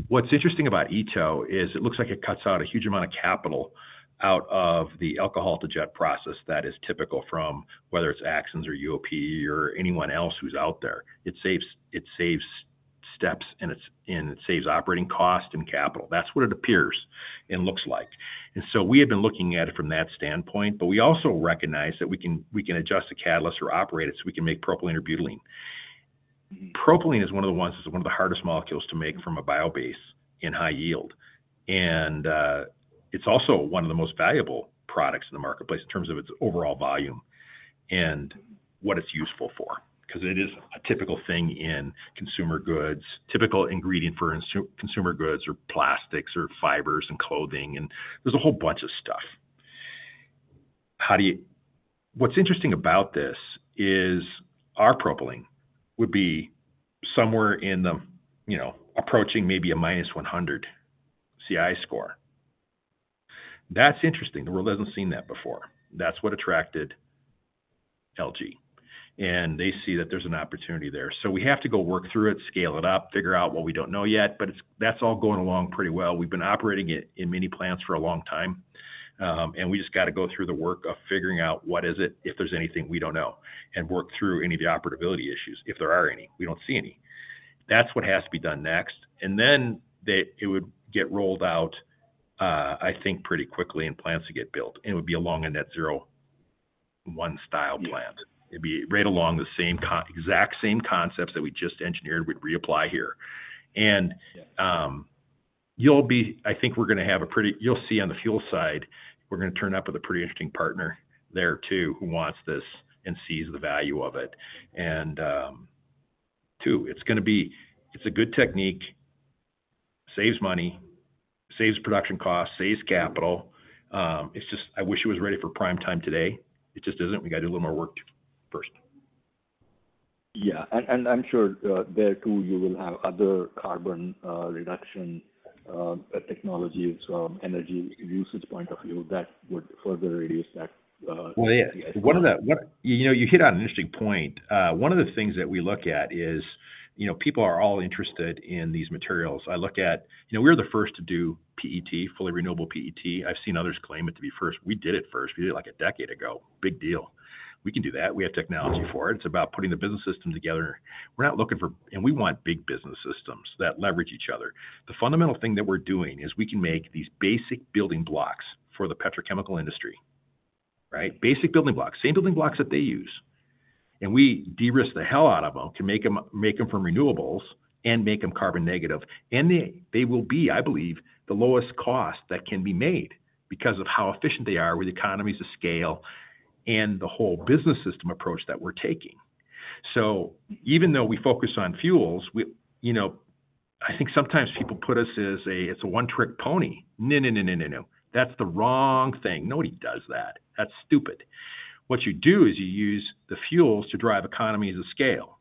What's interesting about ETO is it looks like it cuts out a huge amount of capital out of the alcohol-to-jet process that is typical from, whether it's Axens or UOP or anyone else who's out there. It saves, it saves steps, and it saves operating costs and capital. That's what it appears and looks like. We have been looking at it from that standpoint, but we also recognize that we can, we can adjust the catalyst or operate it, so we can make propylene or butylene. Mm-hmm. Propylene is one of the ones that's one of the hardest molecules to make from a bio base in high yield. It's also one of the most valuable products in the marketplace in terms of its overall volume and what it's useful for, 'cause it is a typical thing in consumer goods, typical ingredient for consumer goods or plastics or fibers and clothing, and there's a whole bunch of stuff. What's interesting about this is our propylene would be somewhere in the, you know, approaching maybe a -100 CI score. That's interesting. The world hasn't seen that before. That's what attracted LG, and they see that there's an opportunity there. We have to go work through it, scale it up, figure out what we don't know yet, that's all going along pretty well. We've been operating it in many plants for a long time. We just got to go through the work of figuring out what is it, if there's anything we don't know, and work through any of the operability issues, if there are any. We don't see any. That's what has to be done next. It would get rolled out, I think pretty quickly, and plants to get built. It would be along a Net-Zero 1 style plant. It'd be right along the same exact same concepts that we just engineered, we'd reapply here. I think we're gonna have a pretty-- you'll see on the fuel side, we're gonna turn up with a pretty interesting partner there too, who wants this and sees the value of it. two, it's gonna be-- it's a good technique, saves money, saves production costs, saves capital. It's just, I wish it was ready for prime time today. It just isn't. We gotta do a little more work first. Yeah. I'm sure, there, too, you will have other carbon, reduction, technologies from energy usage point of view that would further reduce that. Well, yeah. One of the-- You know, you hit on an interesting point. One of the things that we look at is, you know, people are all interested in these materials. I look at-- You know, we were the first to do PET, fully renewable PET. I've seen others claim it to be first. We did it first. We did it, like, a decade ago. Big deal. We can do that. We have technology for it. It's about putting the business system together. We're not looking for-- We want big business systems that leverage each other. The fundamental thing that we're doing is we can make these basic building blocks for the petrochemical industry, right? Basic building blocks, same building blocks that they use, and we de-risk the hell out of them to make 'em, make them from renewables and make them carbon negative. They, they will be, I believe, the lowest cost that can be made because of how efficient they are with the economies of scale and the whole business system approach that we're taking. Even though we focus on fuels, you know, I think sometimes people put us as a, "It's a one-trick pony." No, no, no, no, no, no, that's the wrong thing. Nobody does that. That's stupid. What you do is you use the fuels to drive economies of scale,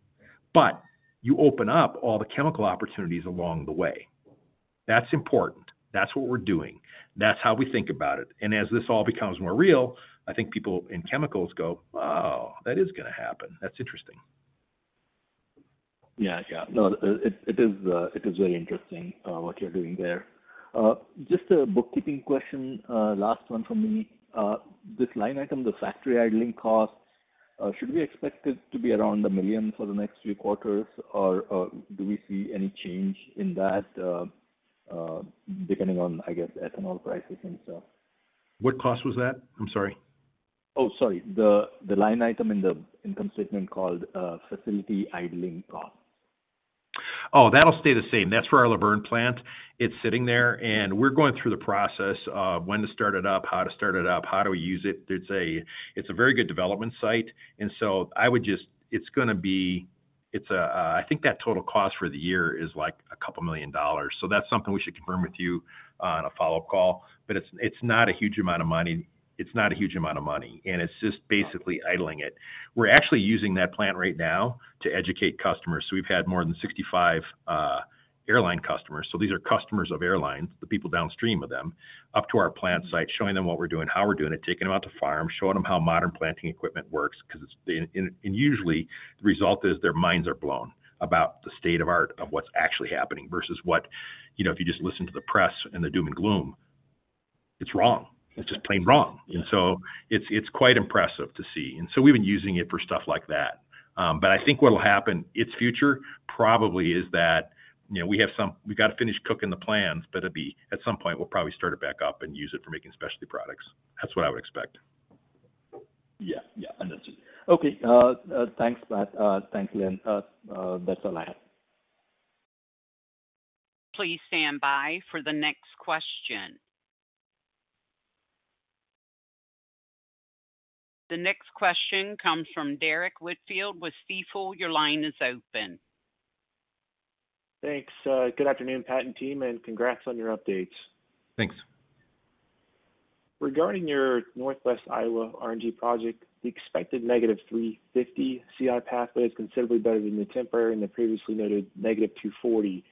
but you open up all the chemical opportunities along the way. That's important. That's what we're doing. That's how we think about it. As this all becomes more real, I think people in chemicals go, "Oh, that is gonna happen. That's interesting. Yeah. Yeah. No, it, it is, it is very interesting, what you're doing there. Just a bookkeeping question, last one from me. This line item, the factory idling cost, should we expect it to be around $1 million for the next three quarters, or do we see any change in that, depending on, I guess, ethanol prices and so on? What cost was that? I'm sorry. Oh, sorry. The, the line item in the income statement called facility idling cost. Oh, that'll stay the same. That's for our Luverne plant. It's sitting there, and we're going through the process of when to start it up, how to start it up, how do we use it. It's a very good development site. I would just, I think that total cost for the year is, like, $2 million. That's something we should confirm with you on a follow-up call. It's not a huge amount of money. It's not a huge amount of money, and it's just basically idling it. We're actually using that plant right now to educate customers. We've had more than 65 airline customers. These are customers of airlines, the people downstream of them, up to our plant site, showing them what we're doing, how we're doing it, taking them out to farms, showing them how modern planting equipment works, 'cause and usually, the result is their minds are blown about the state of art, of what's actually happening versus what, you know, if you just listen to the press and the doom and gloom, it's wrong. It's just plain wrong. Yeah. It's, it's quite impressive to see. We've been using it for stuff like that. I think what will happen, its future probably is that, you know, we've got to finish cooking the plans, but it'd be, at some point, we'll probably start it back up and use it for making specialty products. That's what I would expect. Yeah. Yeah, understood. Okay, thanks, Pat. Thanks, Lynn. That's all I have. Please stand by for the next question. The next question comes from Derrick Whitfield with Stifel. Your line is open. Thanks. Good afternoon, Pat and team, and congrats on your updates. Thanks. Regarding your Northwest Iowa RNG project, the expected negative 350 CI pathway is considerably better than the temporary and the previously noted - 240.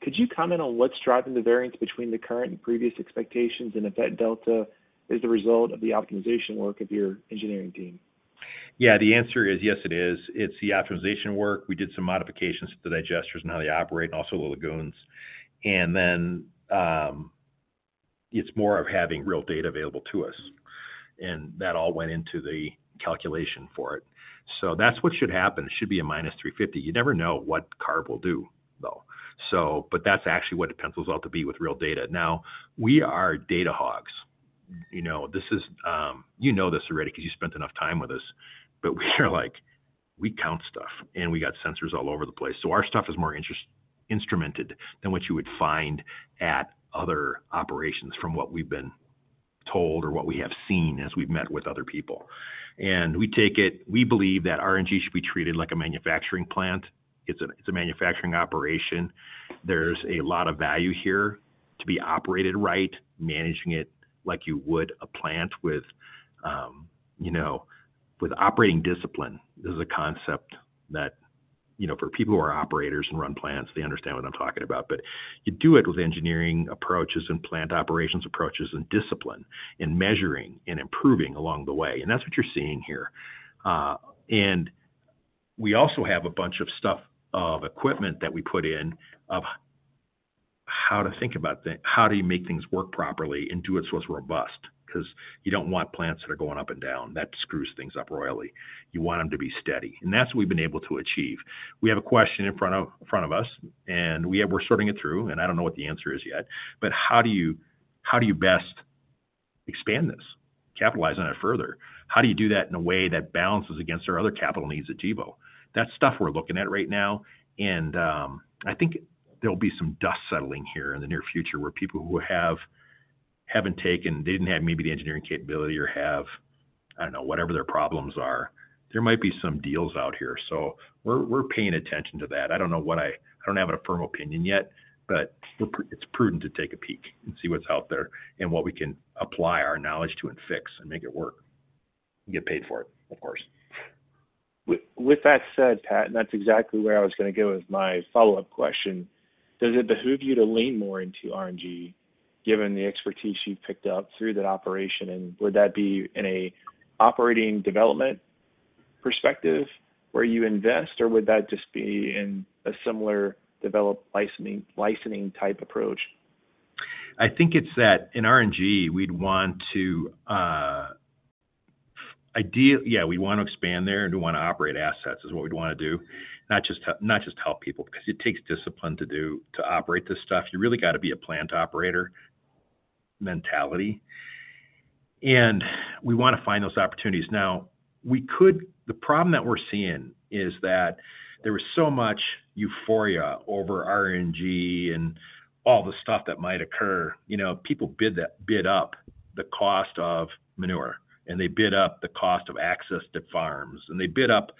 Could you comment on what's driving the variance between the current and previous expectations and if that delta is the result of the optimization work of your engineering team? Yeah, the answer is, yes, it is. It's the optimization work. We did some modifications to the digesters and how they operate, and also the lagoons. Then, it's more of having real data available to us, and that all went into the calculation for it. That's what should happen. It should be a -350. You never know what CARB will do, though. But that's actually what it pencils out to be with real data. Now, we are data hogs. You know, this is, you know this already because you spent enough time with us, but we are like, we count stuff, and we got sensors all over the place. Our stuff is more interes- instrumented than what you would find at other operations from what we've been told or what we have seen as we've met with other people. We take it. We believe that RNG should be treated like a manufacturing plant. It's a, it's a manufacturing operation. There's a lot of value here to be operated right, managing it like you would a plant with, you know, with operating discipline. This is a concept that, you know, for people who are operators and run plants, they understand what I'm talking about. You do it with engineering approaches and plant operations approaches and discipline, and measuring and improving along the way. That's what you're seeing here. We also have a bunch of stuff, of equipment that we put in, how to think about how do you make things work properly and do it so it's robust? Because you don't want plants that are going up and down. That screws things up royally. You want them to be steady, and that's what we've been able to achieve. We have a question in front of, front of us, and we're sorting it through, and I don't know what the answer is yet. How do you, how do you best expand this, capitalize on it further? How do you do that in a way that balances against our other capital needs at Gevo? That's stuff we're looking at right now, and I think there'll be some dust settling here in the near future, where people who have, haven't taken, they didn't have maybe the engineering capability or have, I don't know, whatever their problems are, there might be some deals out here. We're, we're paying attention to that. I don't know what I don't have a firm opinion yet, but we're it's prudent to take a peek and see what's out there and what we can apply our knowledge to and fix and make it work, and get paid for it, of course. With that said, Pat, and that's exactly where I was gonna go with my follow-up question: Does it behoove you to lean more into RNG, given the expertise you've picked up through that operation? Would that be in a operating development perspective where you invest, or would that just be in a similar develop licensing, licensing type approach? I think it's that in RNG, we'd want to, yeah, we want to expand there and we want to operate assets, is what we'd want to do. Not just to, not just to help people, because it takes discipline to operate this stuff. You really got to be a plant operator mentality, and we want to find those opportunities. Now, the problem that we're seeing is that there was so much euphoria over RNG and all the stuff that might occur. You know, people bid up the cost of manure, and they bid up the cost of access to farms, and they bid up,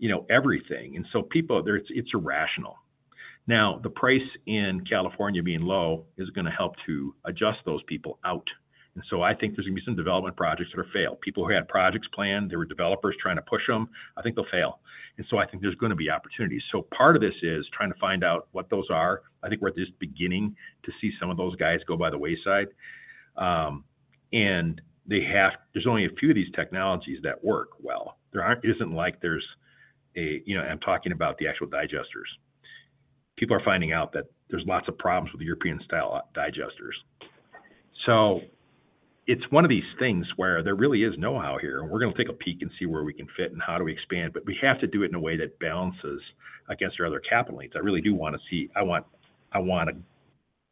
you know, everything. So people, it's irrational. Now, the price in California being low is going to help to adjust those people out, and so I think there's going to be some development projects that are failed. People who had projects planned, there were developers trying to push them, I think they'll fail. So I think there's going to be opportunities. Part of this is trying to find out what those are. I think we're just beginning to see some of those guys go by the wayside. And they have-- there's only a few of these technologies that work well. There aren't isn't like there's a. You know, I'm talking about the actual digesters. People are finding out that there's lots of problems with the European-style digesters. It's one of these things where there really is know-how here, and we're going to take a peek and see where we can fit and how do we expand, but we have to do it in a way that balances against our other capital needs. I really do want to see. I want, I want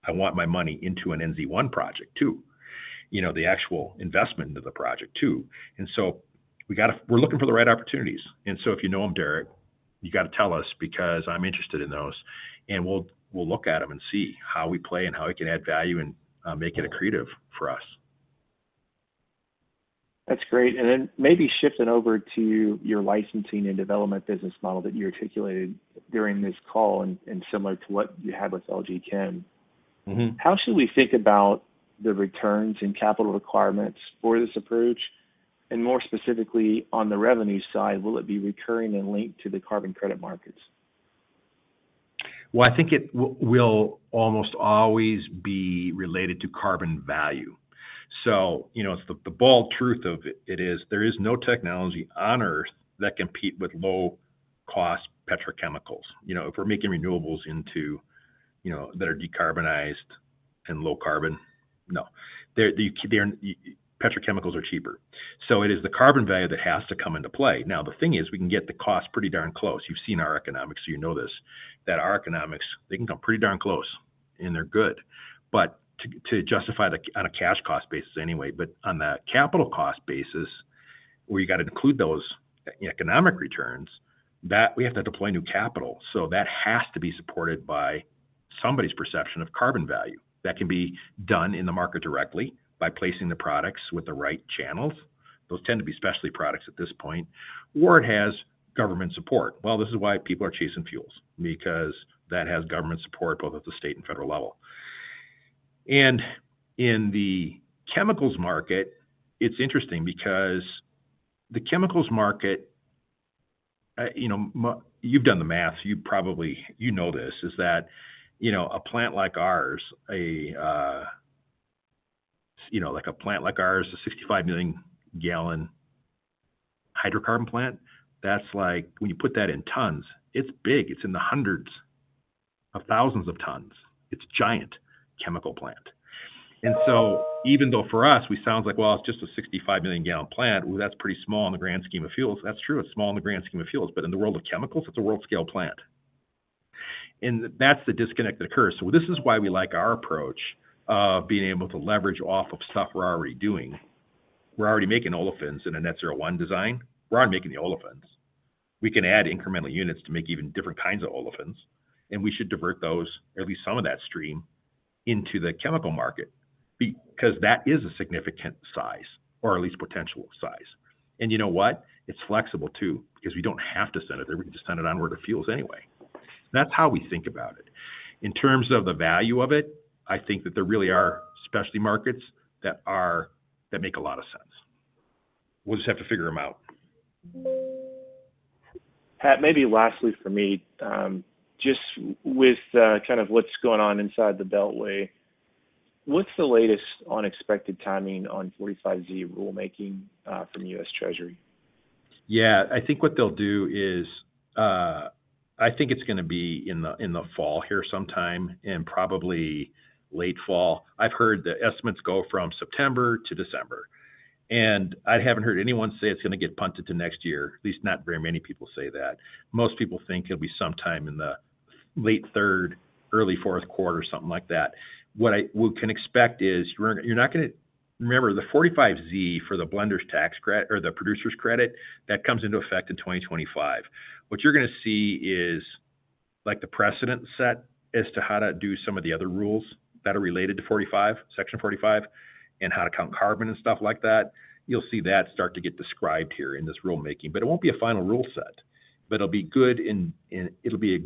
my money into an NZ1 project, too. You know, the actual investment into the project, too. We got to, we're looking for the right opportunities, and so if you know them, Derrick, you got to tell us, because I'm interested in those, and we'll, we'll look at them and see how we play and how we can add value and make it accretive for us. That's great. Then maybe shifting over to your licensing and development business model that you articulated during this call, and similar to what you had with LG Chem. Mm-hmm. How should we think about the returns and capital requirements for this approach? More specifically, on the revenue side, will it be recurring and linked to the carbon credit markets? Well, I think it will almost always be related to carbon value. You know, the, the bold truth of it, it is, there is no technology on Earth that compete with low-cost petrochemicals. You know, if we're making renewables into, you know, that are decarbonized and low carbon, no. They're, they're, petrochemicals are cheaper. It is the carbon value that has to come into play. Now, the thing is, we can get the cost pretty darn close. You've seen our economics, so you know this, that our economics, they can come pretty darn close, and they're good. To, to justify the-- on a cash cost basis anyway, but on the capital cost basis, where you got to include those economic returns, that we have to deploy new capital. That has to be supported by somebody's perception of carbon value. That can be done in the market directly by placing the products with the right channels. Those tend to be specialty products at this point. It has government support. Well, this is why people are chasing fuels, because that has government support, both at the state and federal level. In the chemicals market, it's interesting because the chemicals market, you know, you've done the math, so you probably, you know this, is that, you know, a plant like ours, a, you know, like a plant like ours, a 65 million gallon hydrocarbon plant, that's like, when you put that in tons, it's big. It's in the hundreds of thousands of tons. It's a giant chemical plant. So even though for us, we sounds like, well, it's just a 65 million gallon plant, well, that's pretty small in the grand scheme of fuels. That's true, it's small in the grand scheme of fuels, but in the world of chemicals, it's a world-scale plant. That's the disconnect that occurs. This is why we like our approach of being able to leverage off of stuff we're already doing. We're already making olefins in a Net-Zero 1 design. We're already making the olefins. We can add incremental units to make even different kinds of olefins, and we should divert those, at least some of that stream, into the chemical market because that is a significant size or at least potential size. You know what? It's flexible, too, because we don't have to send it there. We can just send it on where the fuels anyway. That's how we think about it. In terms of the value of it, I think that there really are specialty markets that make a lot of sense. We'll just have to figure them out. Pat, maybe lastly for me, just with kind of what's going on inside the Beltway, what's the latest on expected timing on 45Z rulemaking from the U.S. Treasury? Yeah, I think what they'll do is, I think it's gonna be in the fall here sometime, probably late fall. I've heard the estimates go from September to December. I haven't heard anyone say it's gonna get punted to next year. At least not very many people say that. Most people think it'll be sometime in the late third, early fourth quarter, something like that. What we can expect is, remember, the 45Z for the blenders tax credit or the producers credit, that comes into effect in 2025. What you're gonna see is like the precedent set as to how to do some of the other rules that are related to 45, Section 45, how to count carbon and stuff like that. You'll see that start to get described here in this rulemaking, but it won't be a final rule set. It'll be good, it'll be a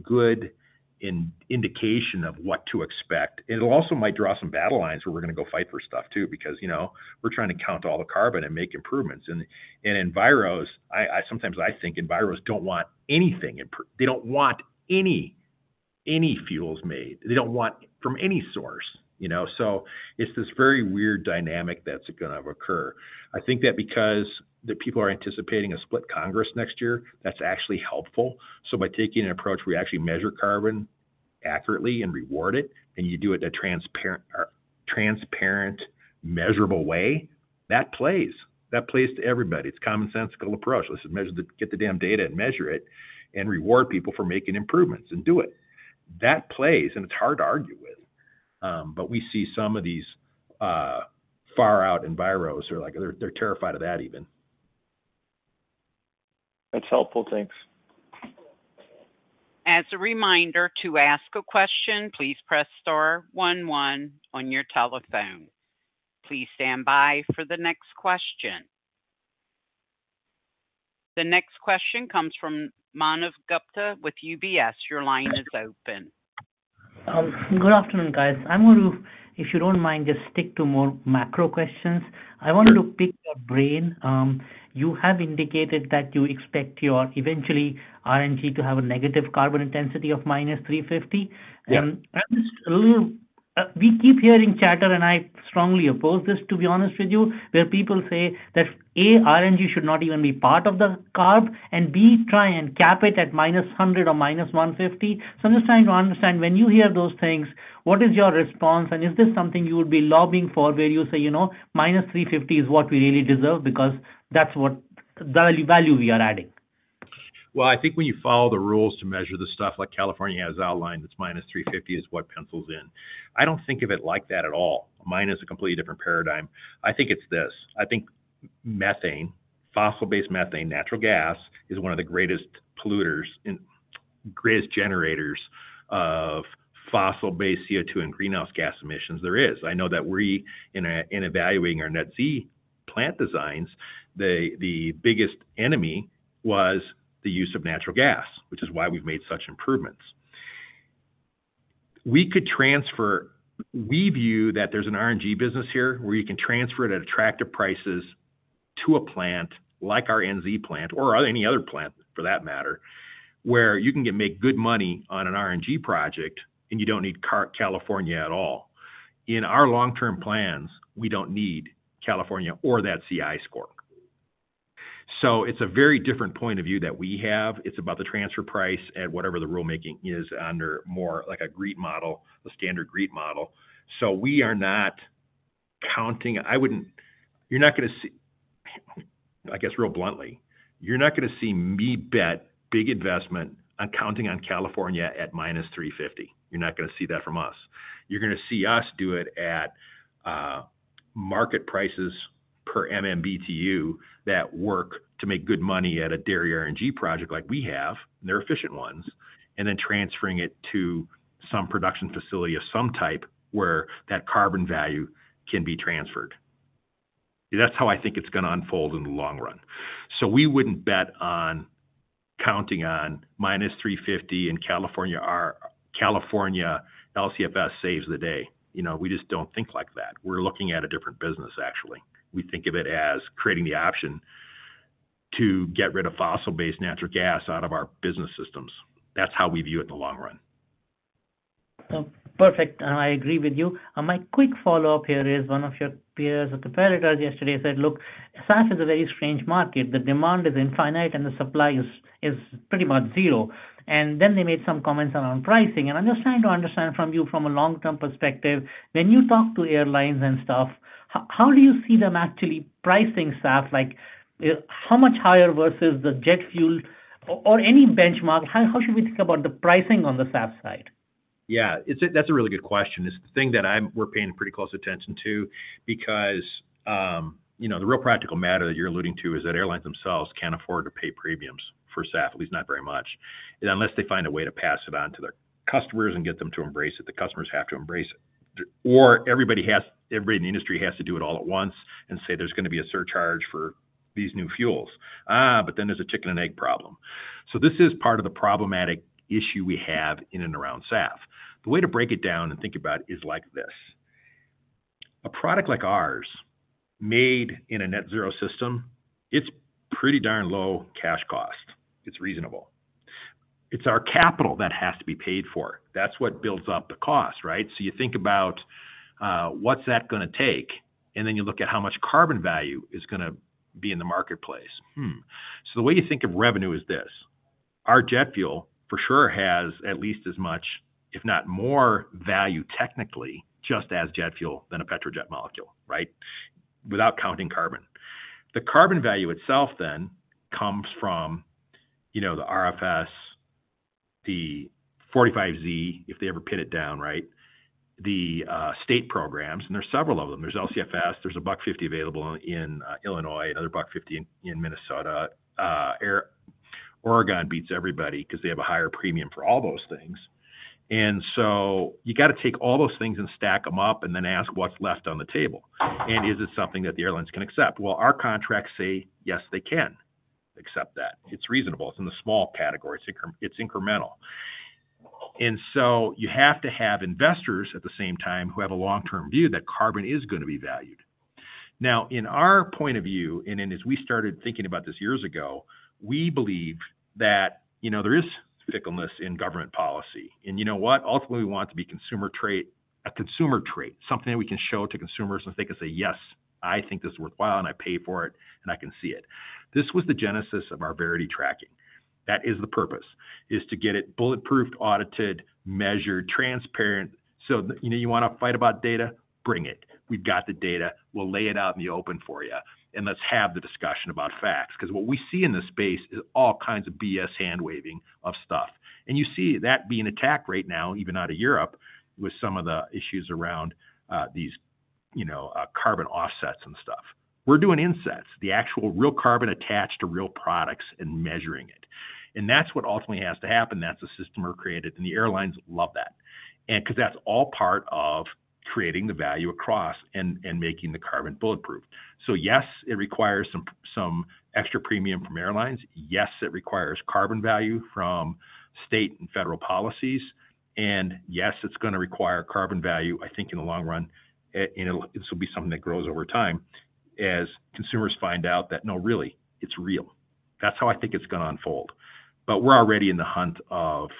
good indication of what to expect. It'll also might draw some battle lines where we're gonna go fight for stuff too, because, you know, we're trying to count all the carbon and make improvements. Enviros, I, I sometimes I think enviros don't want anything they don't want any, any fuels made. They don't want from any source, you know? It's this very weird dynamic that's gonna occur. I think that because the people are anticipating a split Congress next year, that's actually helpful. By taking an approach, we actually measure carbon accurately and reward it, and you do it in a transparent, transparent, measurable way, that plays. That plays to everybody. It's a commonsensical approach. Let's measure the get the damn data and measure it, reward people for making improvements and do it. That plays, it's hard to argue with. We see some of these far-out enviros, are like, they're, they're terrified of that even. That's helpful. Thanks. As a reminder, to ask a question, please press star one one on your telephone. Please stand by for the next question. The next question comes from Manav Gupta with UBS. Your line is open. Good afternoon, guys. I'm going to, if you don't mind, just stick to more macro questions. I wanted to pick your brain. You have indicated that you expect your, eventually, RNG to have a negative carbon intensity of -350? Yeah. I'm just a little-- we keep hearing chatter, and I strongly oppose this, to be honest with you, where people say that, A, RNG should not even be part of the CARB, and B, try and cap it at -100 or -150. I'm just trying to understand, when you hear those things, what is your response, and is this something you would be lobbying for, where you say, "You know, -350 is what we really deserve because that's what-- the only value we are adding? Well, I think when you follow the rules to measure the stuff like California has outlined, it's -350 is what pencils in. I don't think of it like that at all. Mine is a completely different paradigm. I think it's this: I think methane, fossil-based methane, natural gas, is one of the greatest polluters and greatest generators of fossil-based CO2 and greenhouse gas emissions there is. I know that we, in evaluating our Net Zero plant designs, the biggest enemy was the use of natural gas, which is why we've made such improvements. We view that there's an RNG business here, where you can transfer it at attractive prices to a plant like our NZ plant or any other plant, for that matter, where you can get make good money on an RNG project, and you don't need California at all. In our long-term plans, we don't need California or that CI score. It's a very different point of view that we have. It's about the transfer price at whatever the rulemaking is under, more like a GREET model, the standard GREET model. We are not counting. I guess, real bluntly, you're not gonna see me bet big investment on counting on California at -350. You're not gonna see that from us. You're gonna see us do it at market prices per MMBTU that work to make good money at a dairy RNG project like we have, and they're efficient ones, and then transferring it to some production facility of some type where that carbon value can be transferred. That's how I think it's gonna unfold in the long run. We wouldn't bet on counting on -350 in California or California, LCFS saves the day. You know, we just don't think like that. We're looking at a different business, actually. We think of it as creating the option to get rid of fossil-based natural gas out of our business systems. That's how we view it in the long run. Perfect, I agree with you. My quick follow-up here is, one of your peers or competitors yesterday said, "Look, SAF is a very strange market. The demand is infinite, and the supply is, is pretty much zero." Then they made some comments around pricing. I'm just trying to understand from you from a long-term perspective, when you talk to airlines and stuff, how do you see them actually pricing SAF? Like, how much higher versus the jet fuel or, or any benchmark? How, how should we think about the pricing on the SAF side? Yeah, that's a really good question. It's the thing that we're paying pretty close attention to because, you know, the real practical matter that you're alluding to is that airlines themselves can't afford to pay premiums for SAF, at least not very much, unless they find a way to pass it on to their customers and get them to embrace it. The customers have to embrace it. Everybody in the industry has to do it all at once and say, there's gonna be a surcharge for these new fuels. There's a chicken and egg problem. This is part of the problematic issue we have in and around SAF. The way to break it down and think about it is like this: a product like ours, made in a net zero system, it's pretty darn low cash cost. It's reasonable. It's our capital that has to be paid for. That's what builds up the cost, right? You think about what's that gonna take, and then you look at how much carbon value is gonna be in the marketplace. The way you think of revenue is this: our jet fuel for sure has at least as much, if not more value technically, just as jet fuel than a petrojet molecule, right? Without counting carbon. The carbon value itself then comes from, you know, the RFS, the 45Z, if they ever pin it down, right? The state programs, and there are several of them. There's LCFS, there's $1.50 available in Illinois, another $1.50 in Minnesota. Oregon beats everybody 'cause they have a higher premium for all those things. You got to take all those things and stack them up and then ask what's left on the table, and is it something that the airlines can accept? Well, our contracts say, yes, they can accept that. It's reasonable. It's in the small category. It's incremental. You have to have investors, at the same time, who have a long-term view that carbon is gonna be valued. Now, in our point of view, and then as we started thinking about this years ago, we believed that, you know, there is fickleness in government policy. You know what? Ultimately, we want it to be a consumer trait, something that we can show to consumers, and they can say, "Yes, I think this is worthwhile, and I pay for it, and I can see it." This was the genesis of our Verity tracking. That is the purpose, is to get it bulletproof, audited, measured, transparent. You know, you want to fight about data? Bring it. We've got the data. We'll lay it out in the open for you, and let's have the discussion about facts, because what we see in this space is all kinds of BS hand-waving of stuff. You see that being attacked right now, even out of Europe, with some of the issues around these carbon offsets and stuff. We're doing insets, the actual real carbon attached to real products and measuring it. That's what ultimately has to happen. That's a system we're created, and the airlines love that. 'cause that's all part of creating the value across and making the carbon bulletproof. Yes, it requires some extra premium from airlines. Yes, it requires carbon value from state and federal policies. Yes, it's gonna require carbon value, I think in the long run, it, you know, this will be something that grows over time as consumers find out that, no, really, it's real. That's how I think it's gonna unfold. We're already in the hunt of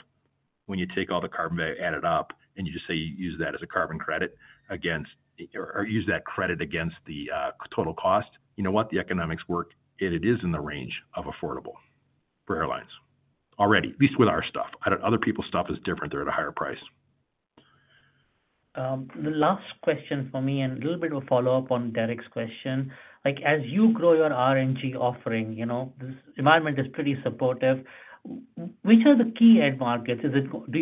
when you take all the carbon value, add it up, and you just say you use that as a carbon credit against or, or use that credit against the total cost. You know what? The economics work, and it is in the range of affordable for airlines. Already, at least with our stuff. Other people's stuff is different. They're at a higher price. The last question for me and a little bit of a follow-up on Derrick Whitfield's question. As you grow your RNG offering, you know, this environment is pretty supportive. Which are the key end markets? Would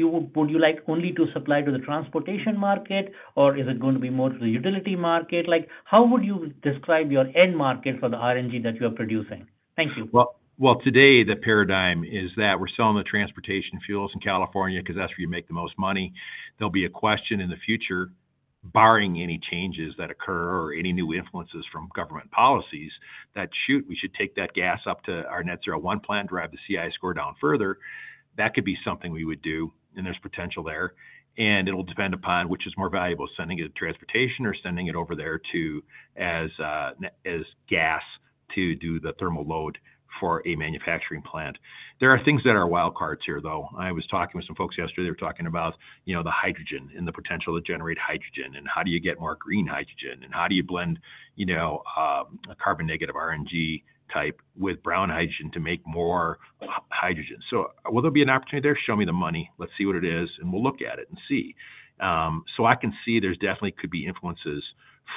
you like only to supply to the transportation market, or is it gonna be more to the utility market? How would you describe your end market for the RNG that you are producing? Thank you. Well, well, today, the paradigm is that we're selling the transportation fuels in California because that's where you make the most money. There'll be a question in the future, barring any changes that occur or any new influences from government policies, that, shoot, we should take that gas up to our Net-Zero 1 plant, drive the CI score down further. That could be something we would do, and there's potential there, and it'll depend upon which is more valuable, sending it to transportation or sending it over there to... as, as gas to do the thermal load for a manufacturing plant. There are things that are wild cards here, though. I was talking with some folks yesterday. They were talking about, you know, the hydrogen and the potential to generate hydrogen, and how do you get more green hydrogen, and how do you blend, you know, a carbon negative RNG type with brown hydrogen to make more hydrogen. Will there be an opportunity there? Show me the money. Let's see what it is, and we'll look at it and see. I can see there's definitely could be influences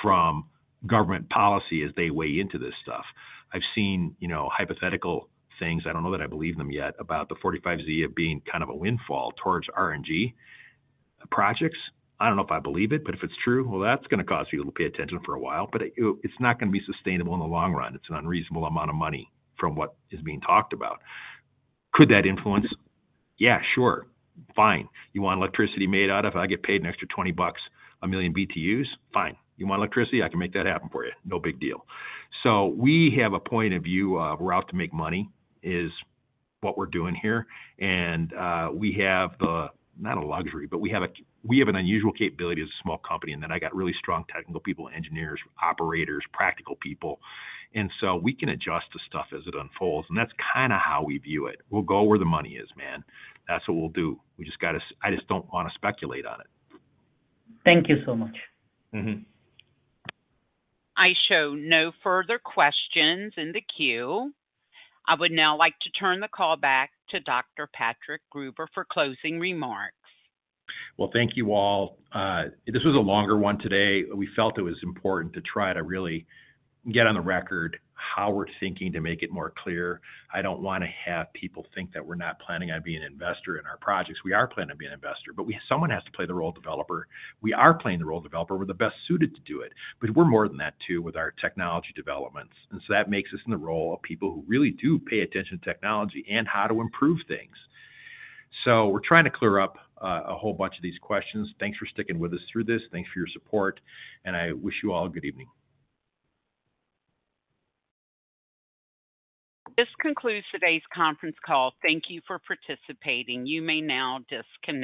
from government policy as they weigh into this stuff. I've seen, you know, hypothetical things, I don't know that I believe them yet, about the 45Z of being kind of a windfall towards RNG projects. I don't know if I believe it, if it's true, well, that's gonna cause you to pay attention for a while, but it's not gonna be sustainable in the long run. It's an unreasonable amount of money from what is being talked about. Could that influence? Yeah, sure. Fine. You want electricity made out of it? If I get paid an extra $20 a 1 million BTUs, fine. You want electricity, I can make that happen for you. No big deal. We have a point of view of we're out to make money, is what we're doing here. We have the... not a luxury, but we have an unusual capability as a small company, and then I got really strong technical people, engineers, operators, practical people, and so we can adjust to stuff as it unfolds, and that's kinda how we view it. We'll go where the money is, man. That's what we'll do. We just gotta I just don't wanna speculate on it. Thank you so much. Mm-hmm. I show no further questions in the queue. I would now like to turn the call back to Dr. Patrick Gruber for closing remarks. Well, thank you all. This was a longer one today. We felt it was important to try to really get on the record how we're thinking to make it more clear. I don't wanna have people think that we're not planning on being an investor in our projects. We are planning to be an investor, but someone has to play the role of developer. We are playing the role of developer. We're the best suited to do it, but we're more than that, too, with our technology developments, and so that makes us in the role of people who really do pay attention to technology and how to improve things. We're trying to clear up a whole bunch of these questions. Thanks for sticking with us through this. Thanks for your support, and I wish you all a good evening. This concludes today's conference call. Thank you for participating. You may now disconnect.